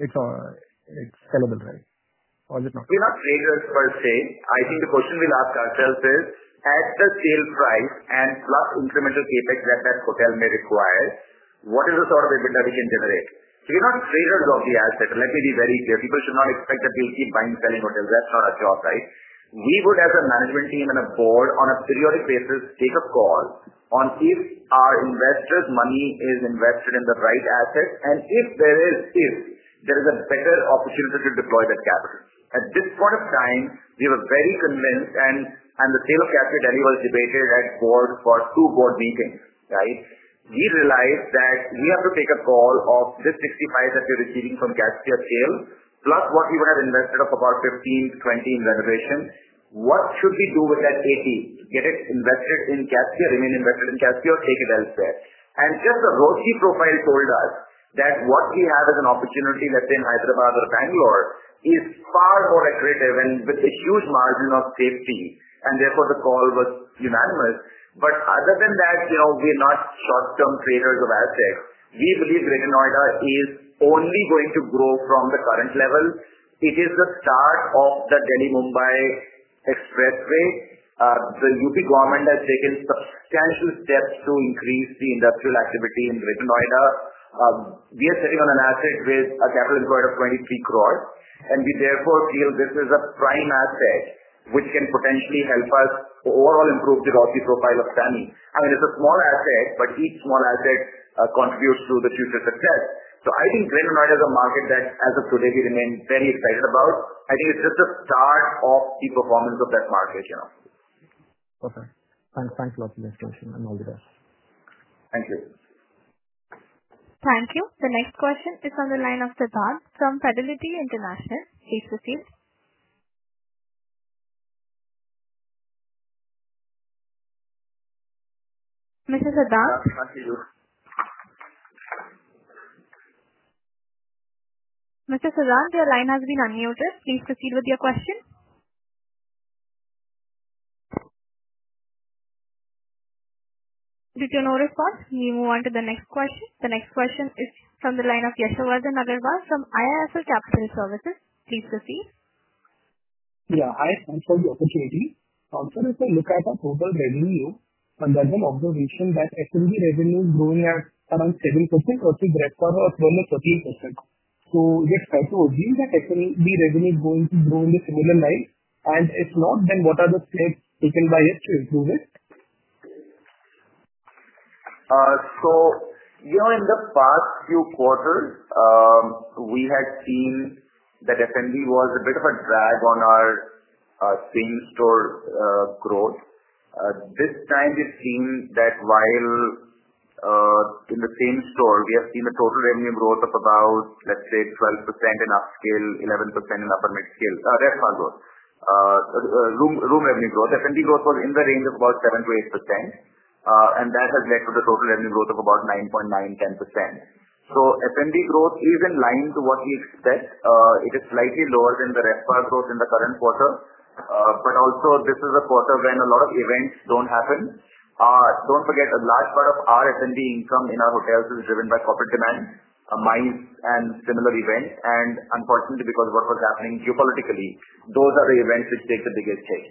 80 crore, it's sellable, right? If that's agents per se, I think the question we'll ask ourselves is, at the sale price and plus incremental CapEx that that hotel may require, what is the sort of EBITDA we can generate? To give us reasons of the asset, let me be very clear. People should not expect that we'll keep buying and selling hotels. That's not our job, right? We would, as a management team and a board, on a periodic basis, take a call on if our investors' money is invested in the right asset, and if there is a better opportunity to deploy that capital. At this point of time, we were very convinced, and the sale of Caspia Delhi was debated at board for two board meetings, right? We realized that we have to take a call of this 65 crore that we're receiving from Caspia sale, plus what we would have invested of about 15 crore-20 crore in renovation. What should we do with that CapEx? Get it invested in Caspia, remain invested in Caspia, or take it elsewhere? Just the ROC profile told us that what we have as an opportunity, let's say in Hyderabad or Bangalore, is far more lucrative and with a huge margin of safety. Therefore, the call was humongous. Other than that, you know, we're not short-term traders of assets. We believe Greater Noida is only going to grow from the current level. It is the start of the Delhi-Mumbai Express Ring. The UP government has taken substantial steps to increase the industrial activity in Greater Noida. We are sitting on an asset with a capital employed of 23 crore. We therefore feel this is a prime asset which can potentially help us overall improve the ROC profile of SAMHI. I mean, it's a small asset, but each small asset contributes to the future success. I think Greater Noida is a market that, as of today, we remain very excited about. I think it's just the start of the performance of that market. Perfect. Thanks a lot for the explanation. All the best. Thank you. Thank you. The next question is on the line of Sardar from Fidelity International. Please proceed. Mr. Sardar, your line has been unmuted. Please proceed with your question. Did your note respond? We move on to the next question. The next question is from the line of Yesavar from IIFL Capital Services. Please proceed. Hi, thanks for the opportunity. I'm interested in looking at the total revenue under the name of the reason that SMB revenue growing at around 7% versus the rest quarter of growing at 13%. Is it fair to argue that SMB revenue is going to grow in the similar line? If not, then what are the steps taken by us to improve it? In the past few quarters, we had seen that SMB was a bit of a drag on our same-store growth. This time, we've seen that while in the same store, we have seen a total revenue growth of about, let's say, 12% in upscale, 11% in upper mid-scale. That's not growth. Room revenue growth. SMB growth was in the range of about 7%-8%. That has led to the total revenue growth of about 9.9%, 10%. SMB growth is in line to what we expect. It is slightly lower than the rest of our growth in the current quarter. This is a quarter when a lot of events don't happen. Don't forget, a large part of our SMB income in our hotels is driven by corporate demand, MICE, and similar events. Unfortunately, because of what was happening geopolitically, those are the events which take the biggest hits.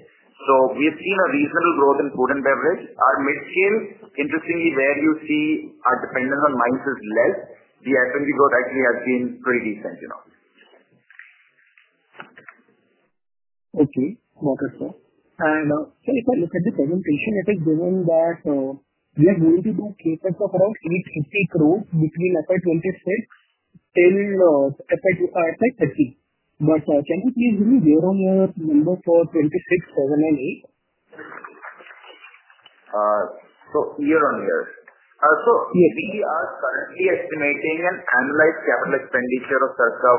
We have seen a reasonable growth in food and beverage. Our mid-scale, interestingly, where you see our dependence on MICE is less. The SMB growth actually has been pretty decent. I see. Okay, sir. If I look at the presentation, is it given that we are going to be capable of around 350 crore between FY 2026 and FY 2030? Can you please give me year-on-year numbers for FY 2026 over FY 2028? Year-on-year, we are currently estimating an annualized capital expenditure of circa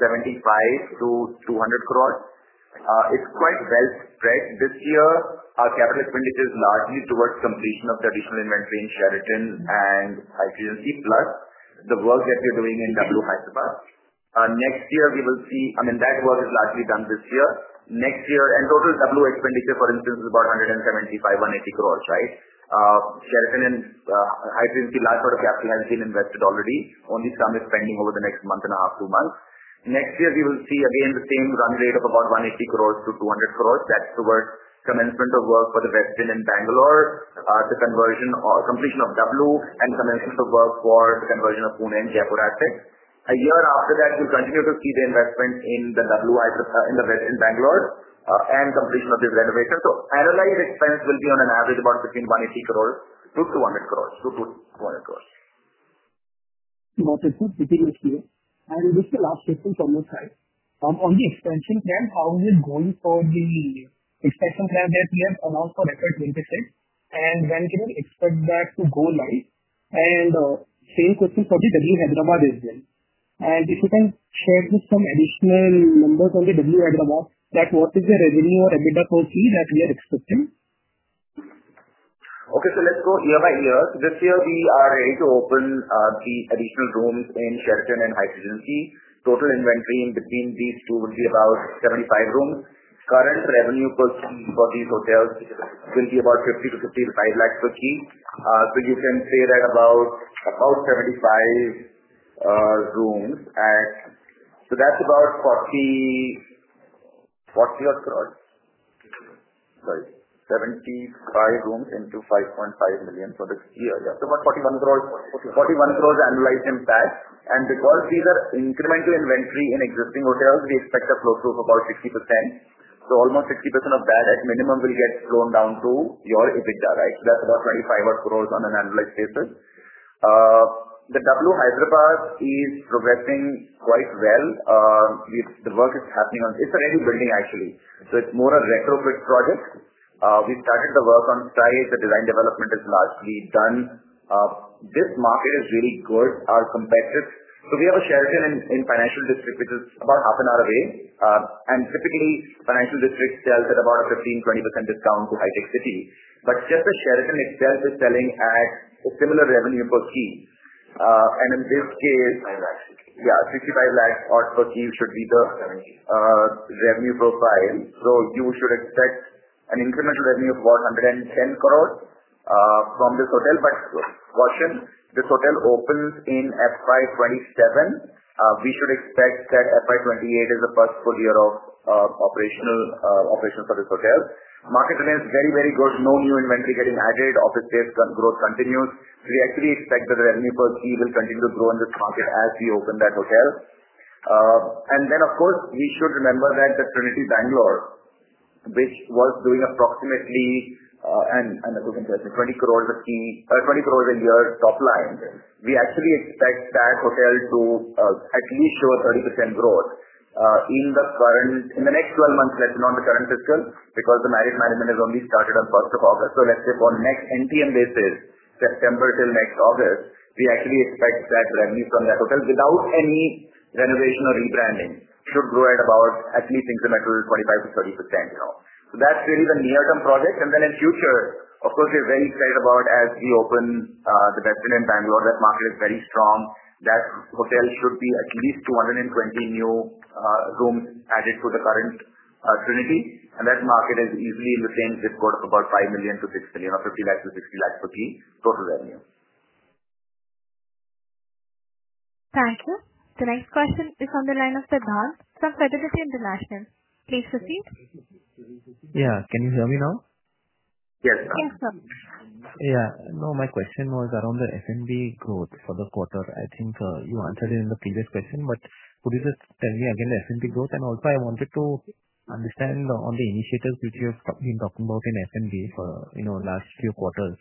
175 crores-200 crores. It's quite well spread. This year, our capital expenditure is largely towards completion of the additional inventory in Sheraton and Hyatt Regency Pune, the work that we're doing in W, Hyderabad. That work is largely done this year. Next year, total W expenditure, for instance, is about 175 crores-180 crores. Sheraton and Hyatt Regency Pune, large part of capital has been invested already. Only some is pending over the next month and a half, two months. Next year, we will see again the same run rate of about 180 crores-200 crores. That's towards commencement of work for the Westin Bangalore, the conversion or completion of W, and commencement of work for the conversion of Pune and Jaipur assets. A year after that, we'll continue to see the investment in the W in Bangalore and completion of the renovation. Annualized expense will be on an average of about between 180 crores-200 crores. Okay, sir. Speaking with clear. Just the last question from your side. On the expansion plan, how is it going for the expansion plan that we have announced for records limited sales? When can we expect that to go live? The same question for the W Hyderabad as well. If you can share with some additional numbers on the W Hyderabad, what is the revenue or EBITDA per seat that we are expecting? Okay, so let's go year by year. This year, we are ready to open the additional rooms in Sheraton and Hyatt Regency. Total inventory in between these two would be about 75 rooms. Current revenue per seat for these hotels is going to be about 50 lakhs-55 lakhs per seat. You can say that about 75 rooms at, so that's about 40 odd crores. Sorry, 75 rooms into 5.5 million for this year. So about 41 crores annualized impact. Because these are incremental inventory in existing hotels, we expect a closer of about 60%. Almost 60% of that, at minimum, will get thrown down to your EBITDA, right? That's about 25 odd crores on an annualized basis. The W Hyderabad is progressing quite well. The work is happening on, it's a real building, actually. It's more a retrofit project. We've started the work on site. The design development is largely done. This market is really good, our competitors. We have a Sheraton in Financial District, which is about half an hour away. Typically, Financial District sells at about a 15%-20% discount to HITEC City. Just the Sheraton itself is selling at a similar revenue per key. In this case, yeah, 35 lakhs odd per key should be the revenue profile. You should expect an incremental revenue of 110 crores from this hotel. Caution, this hotel opens in FY 2027. We should expect that FY 2028 is a plus for the year of operations for this hotel. Market demand is very, very good. No new inventory getting added. Office sales growth continues. We actually expect that the revenue per key will continue to grow in this market as we open that hotel. We should remember that the Trinity Bangalore, which was doing approximately, and I couldn't tell you, 20 crores a year top line, we actually expect that hotel to at least show 30% growth in the next one month, let's say, not in the current fiscal because the Marriott management has only started on 1st of August. For the next NTM-based days, September till next August, we actually expect that revenue from that hotel without any renovation or rebranding should grow at about, actually, things are measured at 25%-30%. That's really the near-term project. In the future, we're very excited about as we open the Westin Bangalore, that market is very strong. That hotel could be at least 220 new rooms added to the current Trinity. That market is easily in the same zip code of about 5 million-6 million or 50 lakhs-60 lakhs per key total revenue. Thank you. The next question is on the line of Sardar from Fidelity International. Please proceed. Yeah, can you hear me now? Yes, sir. Yeah. No, my question was around the SMB growth for the quarter. I think you answered it in the previous question, but could you just tell me again the SMB growth? I also wanted to understand on the initiatives which you have been talking about in SMB for the last few quarters.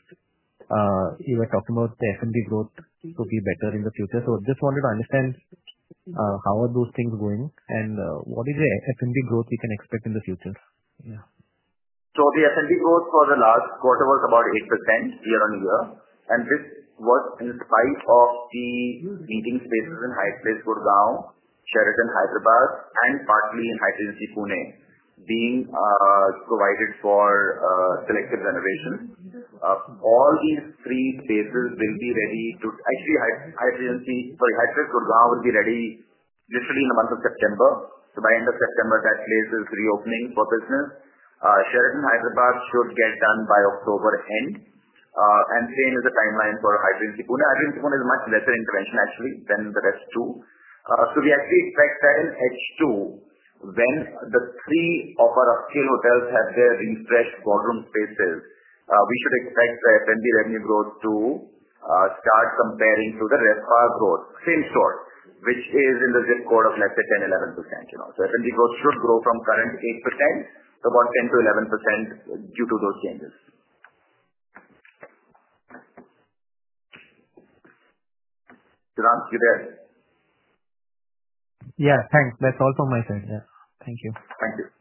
You were talking about the SMB growth could be better in the future. I just wanted to understand how are those things going and what is the SMB growth we can expect in the future? Yeah. The SMB growth for the last quarter was about 8% year on year. This was in spite of the meeting spaces in Hyatt Place, Gurgaon, Sheraton Hyderabad, and partly in Hyatt Regency Pune, being provided for collective renovation. All these three spaces will be ready to actually, Hyatt Place, Gurgaon will be ready usually in the month of September. By the end of September, that place will be reopening for business. Sheraton Hyderabad should get done by October end. The same is the timeline for Hyatt Regency Pune. Hyatt Regency Pune is much lesser in convention, actually, than the rest two. We actually expect that in H2, when the three of our upscale hotels have their refreshed boardroom spaces, we should expect the SMB revenue growth to start comparing to the rest of our growth, same store, which is in the zip code of less than 10%-11%. SMB growth should grow from current 8% to about 10%-11% due to those changes. Did I answer you there? Yeah, thanks. That's all from my side. Thank you. Thanks.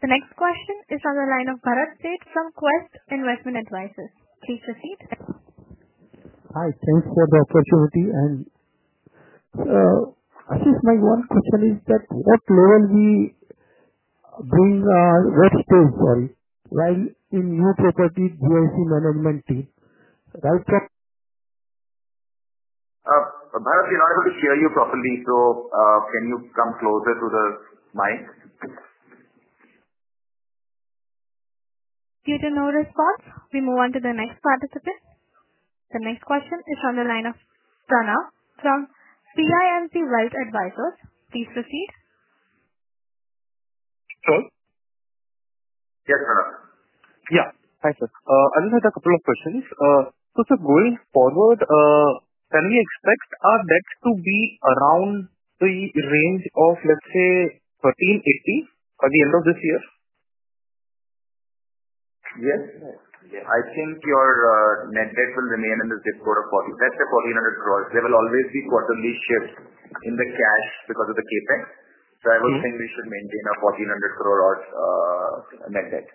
The next question is on the line of Marav Sheth from Quest Investment Advisors. Please proceed. Hi. Thanks for the opportunity. I think my one question is that what level we are doing? While in new property, GIC management team, I check. Marav, I don't know if I can hear you properly. Can you come closer to the mic? Given no response, we move on to the next participant. The next question is on the line of Pranav from PINC Wealth Advisors. Please proceed. Hello? Yes, Pranav. Yeah. Hi, sir. I just had a couple of questions. Sir, going forward, can we expect our debt to be around the range of 1,380 million at the end of this year? Yes. I think your net debt will remain in the zip code of 1,400 crore. That's the 1,400 crore. There will always be quarterly shifts in the cash because of the CapEx. I would think we should maintain our 1,400 crore of net debt.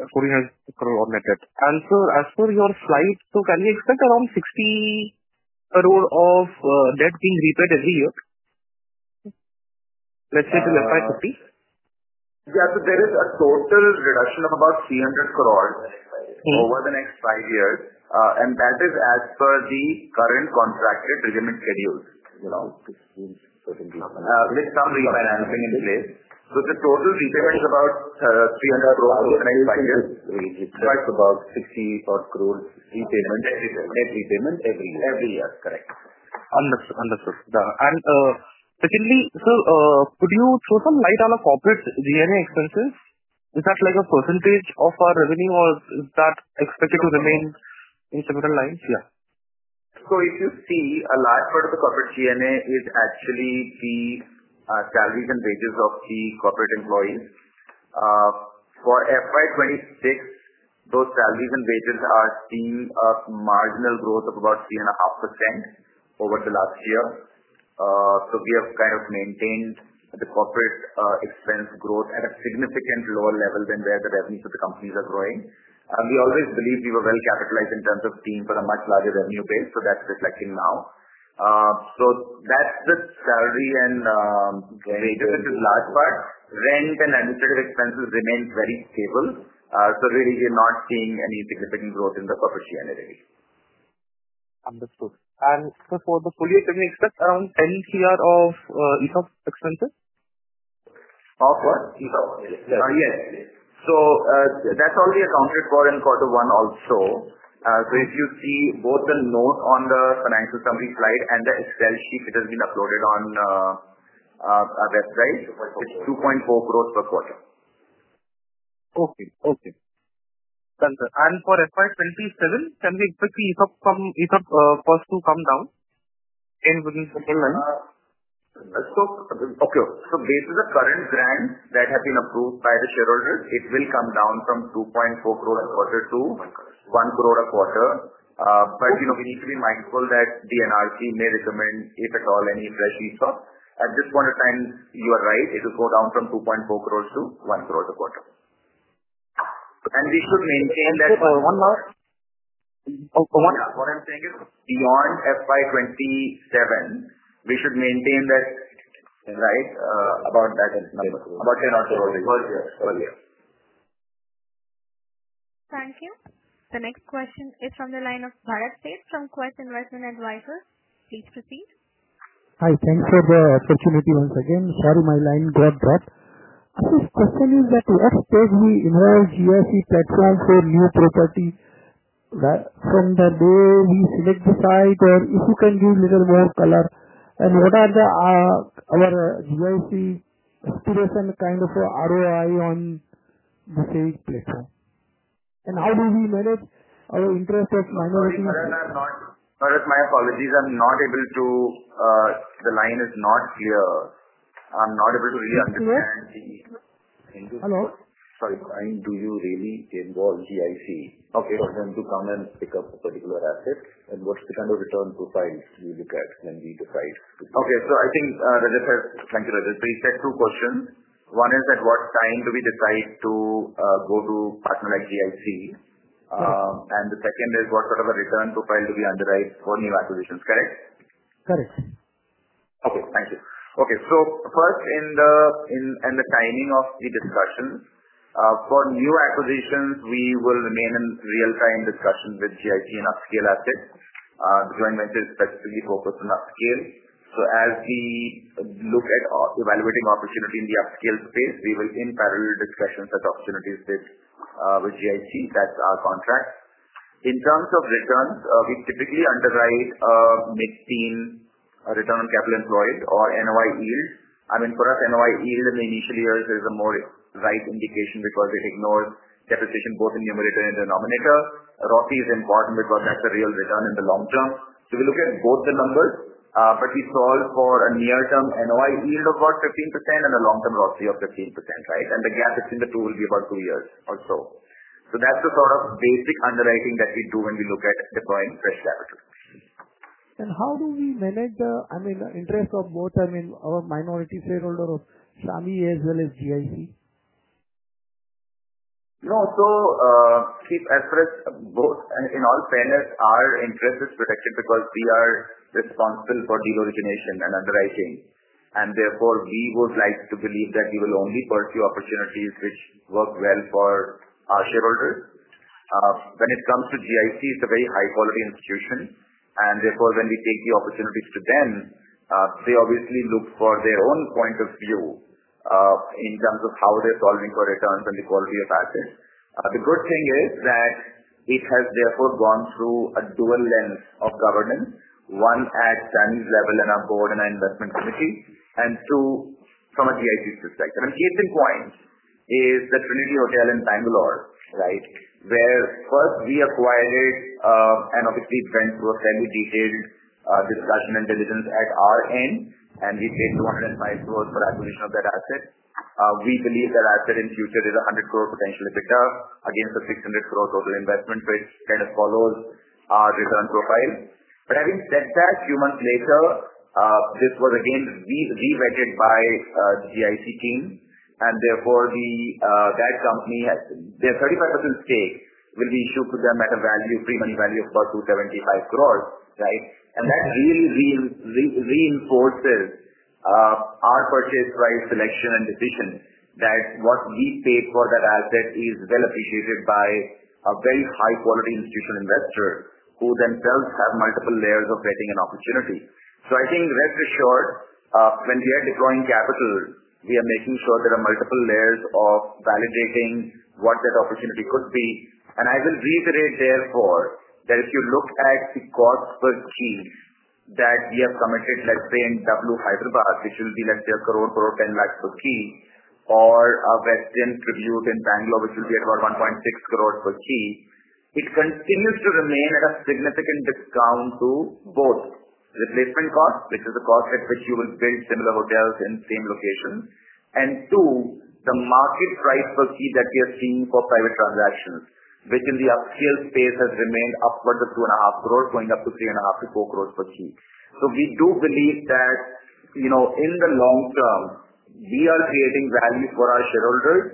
1,400 crores of net debt. Sir, as per your slides, can we expect around 60 crores of debt being repaid every year, let's say to the FY 2050? Yeah. There is a total reduction of about 300 crore over the next five years, and that is as per the current contracted payment schedules. There's some refinancing in place. The total repayment is about 300 crore over the next five years. We expect about 60 crore net repayment every year? Every year. Correct. Understood. Secondly, sir, could you throw some light on our corporate G&A expenses? Is that like a percentage of our revenue, or is that expected to remain in similar lines? Yeah. If you see, a large part of the corporate G&A is actually the salaries and wages of the corporate employees. For FY 2026, those salaries and wages are seeing a marginal growth of about 3.5% over the last year. We have kind of maintained the corporate expense growth at a significantly lower level than where the revenues of the companies are growing. We always believe we were well capitalized in terms of steam for a much larger revenue base, so that's reflecting now. That's the salary and generator, which is a large part. Rent and administrative expenses remain very stable. We're not seeing any significant growth in the corporate G&A revenue. Understood. Sir, for the polyacrylics, just around 10 crore of ESOP expenses? Of what? ESOP. Yeah. That's already accounted for in quarter one also. If you see both the note on the financial summary slide and the Excel sheet that has been uploaded on our website, 2.4 crore per quarter. Okay. Thanks, sir. For FY 2027, can we expect the ESOP cost to come down? Based on the current grants that have been approved by the shareholders, it will come down from 24 million a quarter to 10 million a quarter. You know, we need to be mindful that the NRC may recommend, if at all, any ESOP. At this point in time, you're right. It will go down from 24 million to 10 million a quarter. Should we maintain that for one last? What I'm saying is beyond FY 2027, we should maintain that, right, about that number, about 10 million. Thank you. The next question is from the line of Marav Sheth from Quest Investment Advisors. Please proceed. Hi. Thanks for the opportunity once again. First question is that what does the inner GIC platform for new property from W we select the site? If you can give a little more color, what are the other GIC activation kind of ROI on marketing platform? How do we measure our interest as minority? My apologies. I'm not able to, the line is not here. I'm not able to react to that. Hello? Sorry. Do you really involve GIC for them to come and pick up a particular asset? What's the kind of return profiles you look at when we decide? Okay. I think, Rajat, thank you, Rajat. Please take two questions. One is at what time do we decide to go to a partner like GIC? The second is what sort of a return profile do we underwrite for new acquisitions, correct? Correct. Okay. Thank you. In the timing of the discussion for new acquisitions, we will remain in real-time discussion with GIC and upscale assets. Joint ventures specifically focus on upscale. As we look at evaluating opportunity in the upscale space, we will in parallel discussions at opportunity space with GIC. That's our contract. In terms of returns, we typically underwrite a mid-steam return on capital employed or NOI yield. For us, NOI yield in initial years is a more right indication because it ignores deficit in both the numerator and denominator. ROC is important because that's a real return in the long term. We look at both the numbers, but we solve for a near-term NOI yield of about 13% and a long-term ROC of 13%. The gap between the two will be about two years or so. That's the sort of basic underwriting that we do when we look at deploying fresh capital. How do we manage, I mean, the interest of both, I mean, our minority shareholder SAMHI as well as GIC? No. See, both in all fairness, our interest is protected because we are responsible for deal origination and underwriting. Therefore, we would like to believe that we will only pursue opportunities which work well for our shareholders. When it comes to GIC, it's a very high-quality institution. Therefore, when we take the opportunities to them, they obviously look for their own point of view, in terms of how they solve recurring returns and the quality of assets. The good thing is that it has therefore gone through a dual lens of governance, one at SAMHI's level and our board and our investment committee, and two from a GIC perspective. The case in point is the Trinity Hotel in Bangalore, right, where first we acquired it, and obviously it went through a fairly detailed discussion and diligence at our end. We paid 205 crore for acquisition of that asset. We believe that asset in the future is 100 crore potential EBITDA against a 600 crore total investment, so it kind of follows our return profile. Having said that, a few months later, this was again re-vetted by the GIC team. Therefore, that company has their 35% stake, which will be issued to them at a value, free money value of about 275 crore, right? That really reinforces our purchase price selection and decision that what we pay for that asset is well appreciated by a very high-quality institutional investor who themselves have multiple layers of vetting and opportunity. I think rest assured, when we are deploying capital, we are making sure there are multiple layers of validating what the opportunity could be. I will reiterate here that if you look at the cost per key that we have committed, let's say in W Hyderabad, which will be less than 1 crore per key, or a Westin Bangalore, which will be about 1.6 crore per key, it continues to remain at a significant discount to both replacement cost, which is the cost at which you will build similar hotels in the same location, and the market price per key that we have seen for private transactions, which in the upscale space has remained upwards of 2.5 crore, going up to 3.5 crore-4 crore per key. We do believe that, you know, in the long term, we are creating value for our shareholders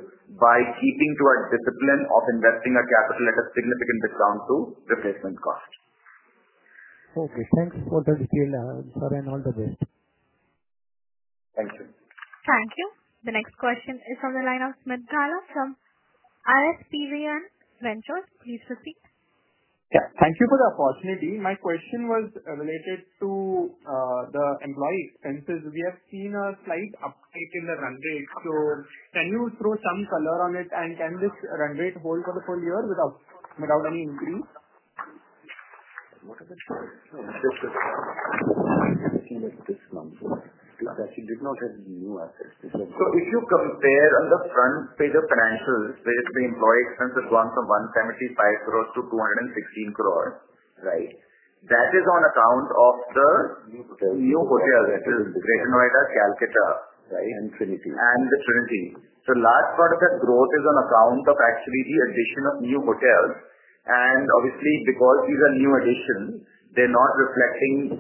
by keeping to our discipline of investing our capital at a significant discount to replacement cost. Okay, thanks for the detail now. Sorry I'm out of date. Thank you. The next question is on the line of Smith Gala from RSPN Ventures. Please proceed. Thank you for the opportunity. My question was related to the employee expenses. We have seen a slight uptick in the run rate. Can you throw some color on it? Can this run rate hold for the full year without any increase? We've seen a discount for. If you compare on the front, say the financials, basically, employee expenses have gone from 175 crore to 216 crore, right? That is on account of the new hotels, which is Regenta Inn Larica, Kolkata, right? And Trinity. A large part of that growth is on account of actually the addition of new hotels. Obviously, because these are new additions, they're not reflecting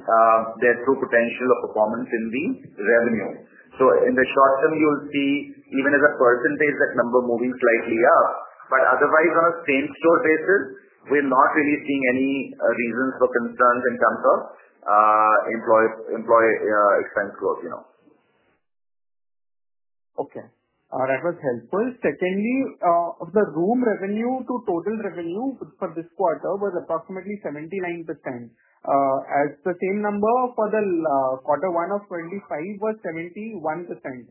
their true potential of performance in the revenue. In the short term, you'll see, even as a percentage, that number moving slightly up. Otherwise, on a same-store basis, we're not really seeing any reasons for concerns in terms of employee expense growth, you know. Okay. That was helpful. Secondly, the room revenue to total revenue for this quarter was approximately 79%. The same number for the quarter one of 2025 was 71%. Can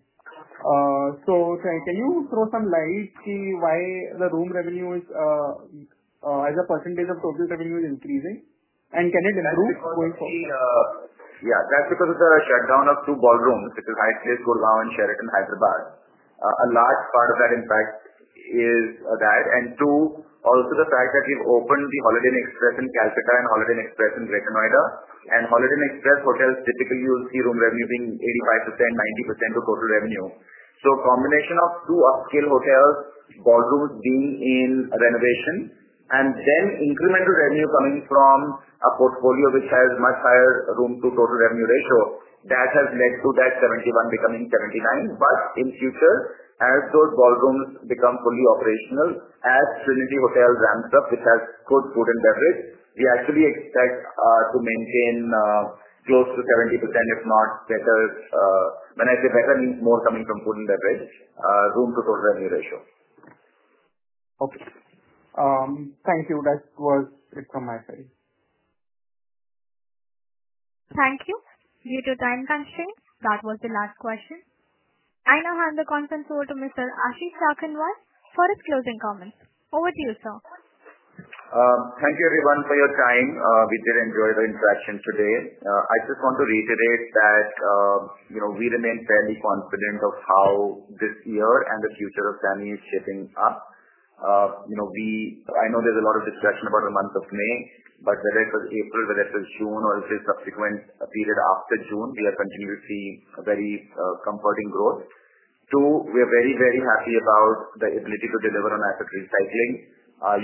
you throw some light to see why the room revenue, as a percentage of total revenue, is increasing? Can it improve going forward? Yeah. That's because of the shutdown of two ballrooms, which is Ibis Gurgaon, Sheraton Hyderabad. A large part of that impact is that. Also, the fact that we've opened the Holiday Inn Express in Kolkata and Holiday Inn Express in New Town, Kolkata. Holiday Inn Express hotels, typically, you'll see room revenue being 85%-90% of total revenue. A combination of two upscale hotels' ballrooms being in renovation and then incremental revenue coming from a portfolio which has a much higher room-to-total revenue ratio, that has led to that 71% becoming 79%. In the future, as those ballrooms become fully operational, as Trinity Hotels ramps up, which has good food and beverage, we actually expect to maintain close to 70%, if not better. When I say better, it means more coming from food and beverage, room-to-total revenue ratio. Okay, thank you. That was it from my side. Thank you. To you, to the design council. That was the last question. I now hand the conference over to Mr. Ashish Jakhanwala for his closing comments. Over to you, sir. Thank you, everyone, for your time. We did enjoy the interaction today. I just want to reiterate that, you know, we remain fairly confident of how this year and the future of SAMHI is shaping up. You know, I know there's a lot of discussion about the month of May, but whether it's April, whether it's June, or if there's a subsequent period after June, we are continuing to see a very comforting growth. We are very, very happy about the ability to deliver on asset recycling.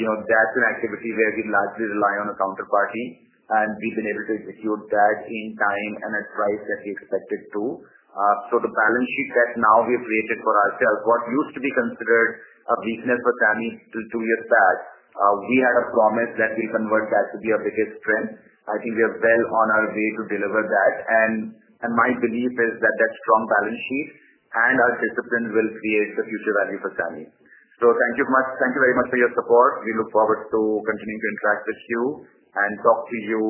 You know, that's an activity where we'll likely rely on a counterparty, and we've been able to execute that in time and at price that we expected to. The balance sheet that now we've created for ourselves, what used to be considered a weakness for SAMHI's two-year past, we had a promise that we convert that to be our biggest strength. I think we are well on our way to deliver that. My belief is that that strong balance sheet and our discipline will create the future value for SAMHI. Thank you very much for your support. We look forward to continuing to interact with you and talk to you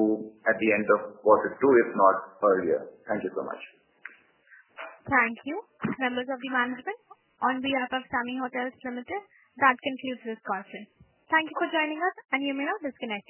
at the end of quarter two, if not earlier. Thank you so much. Thank you. Members of the management, on behalf of SAMHI Hotels Limited, that concludes this question. Thank you for joining us, and you may now disconnect.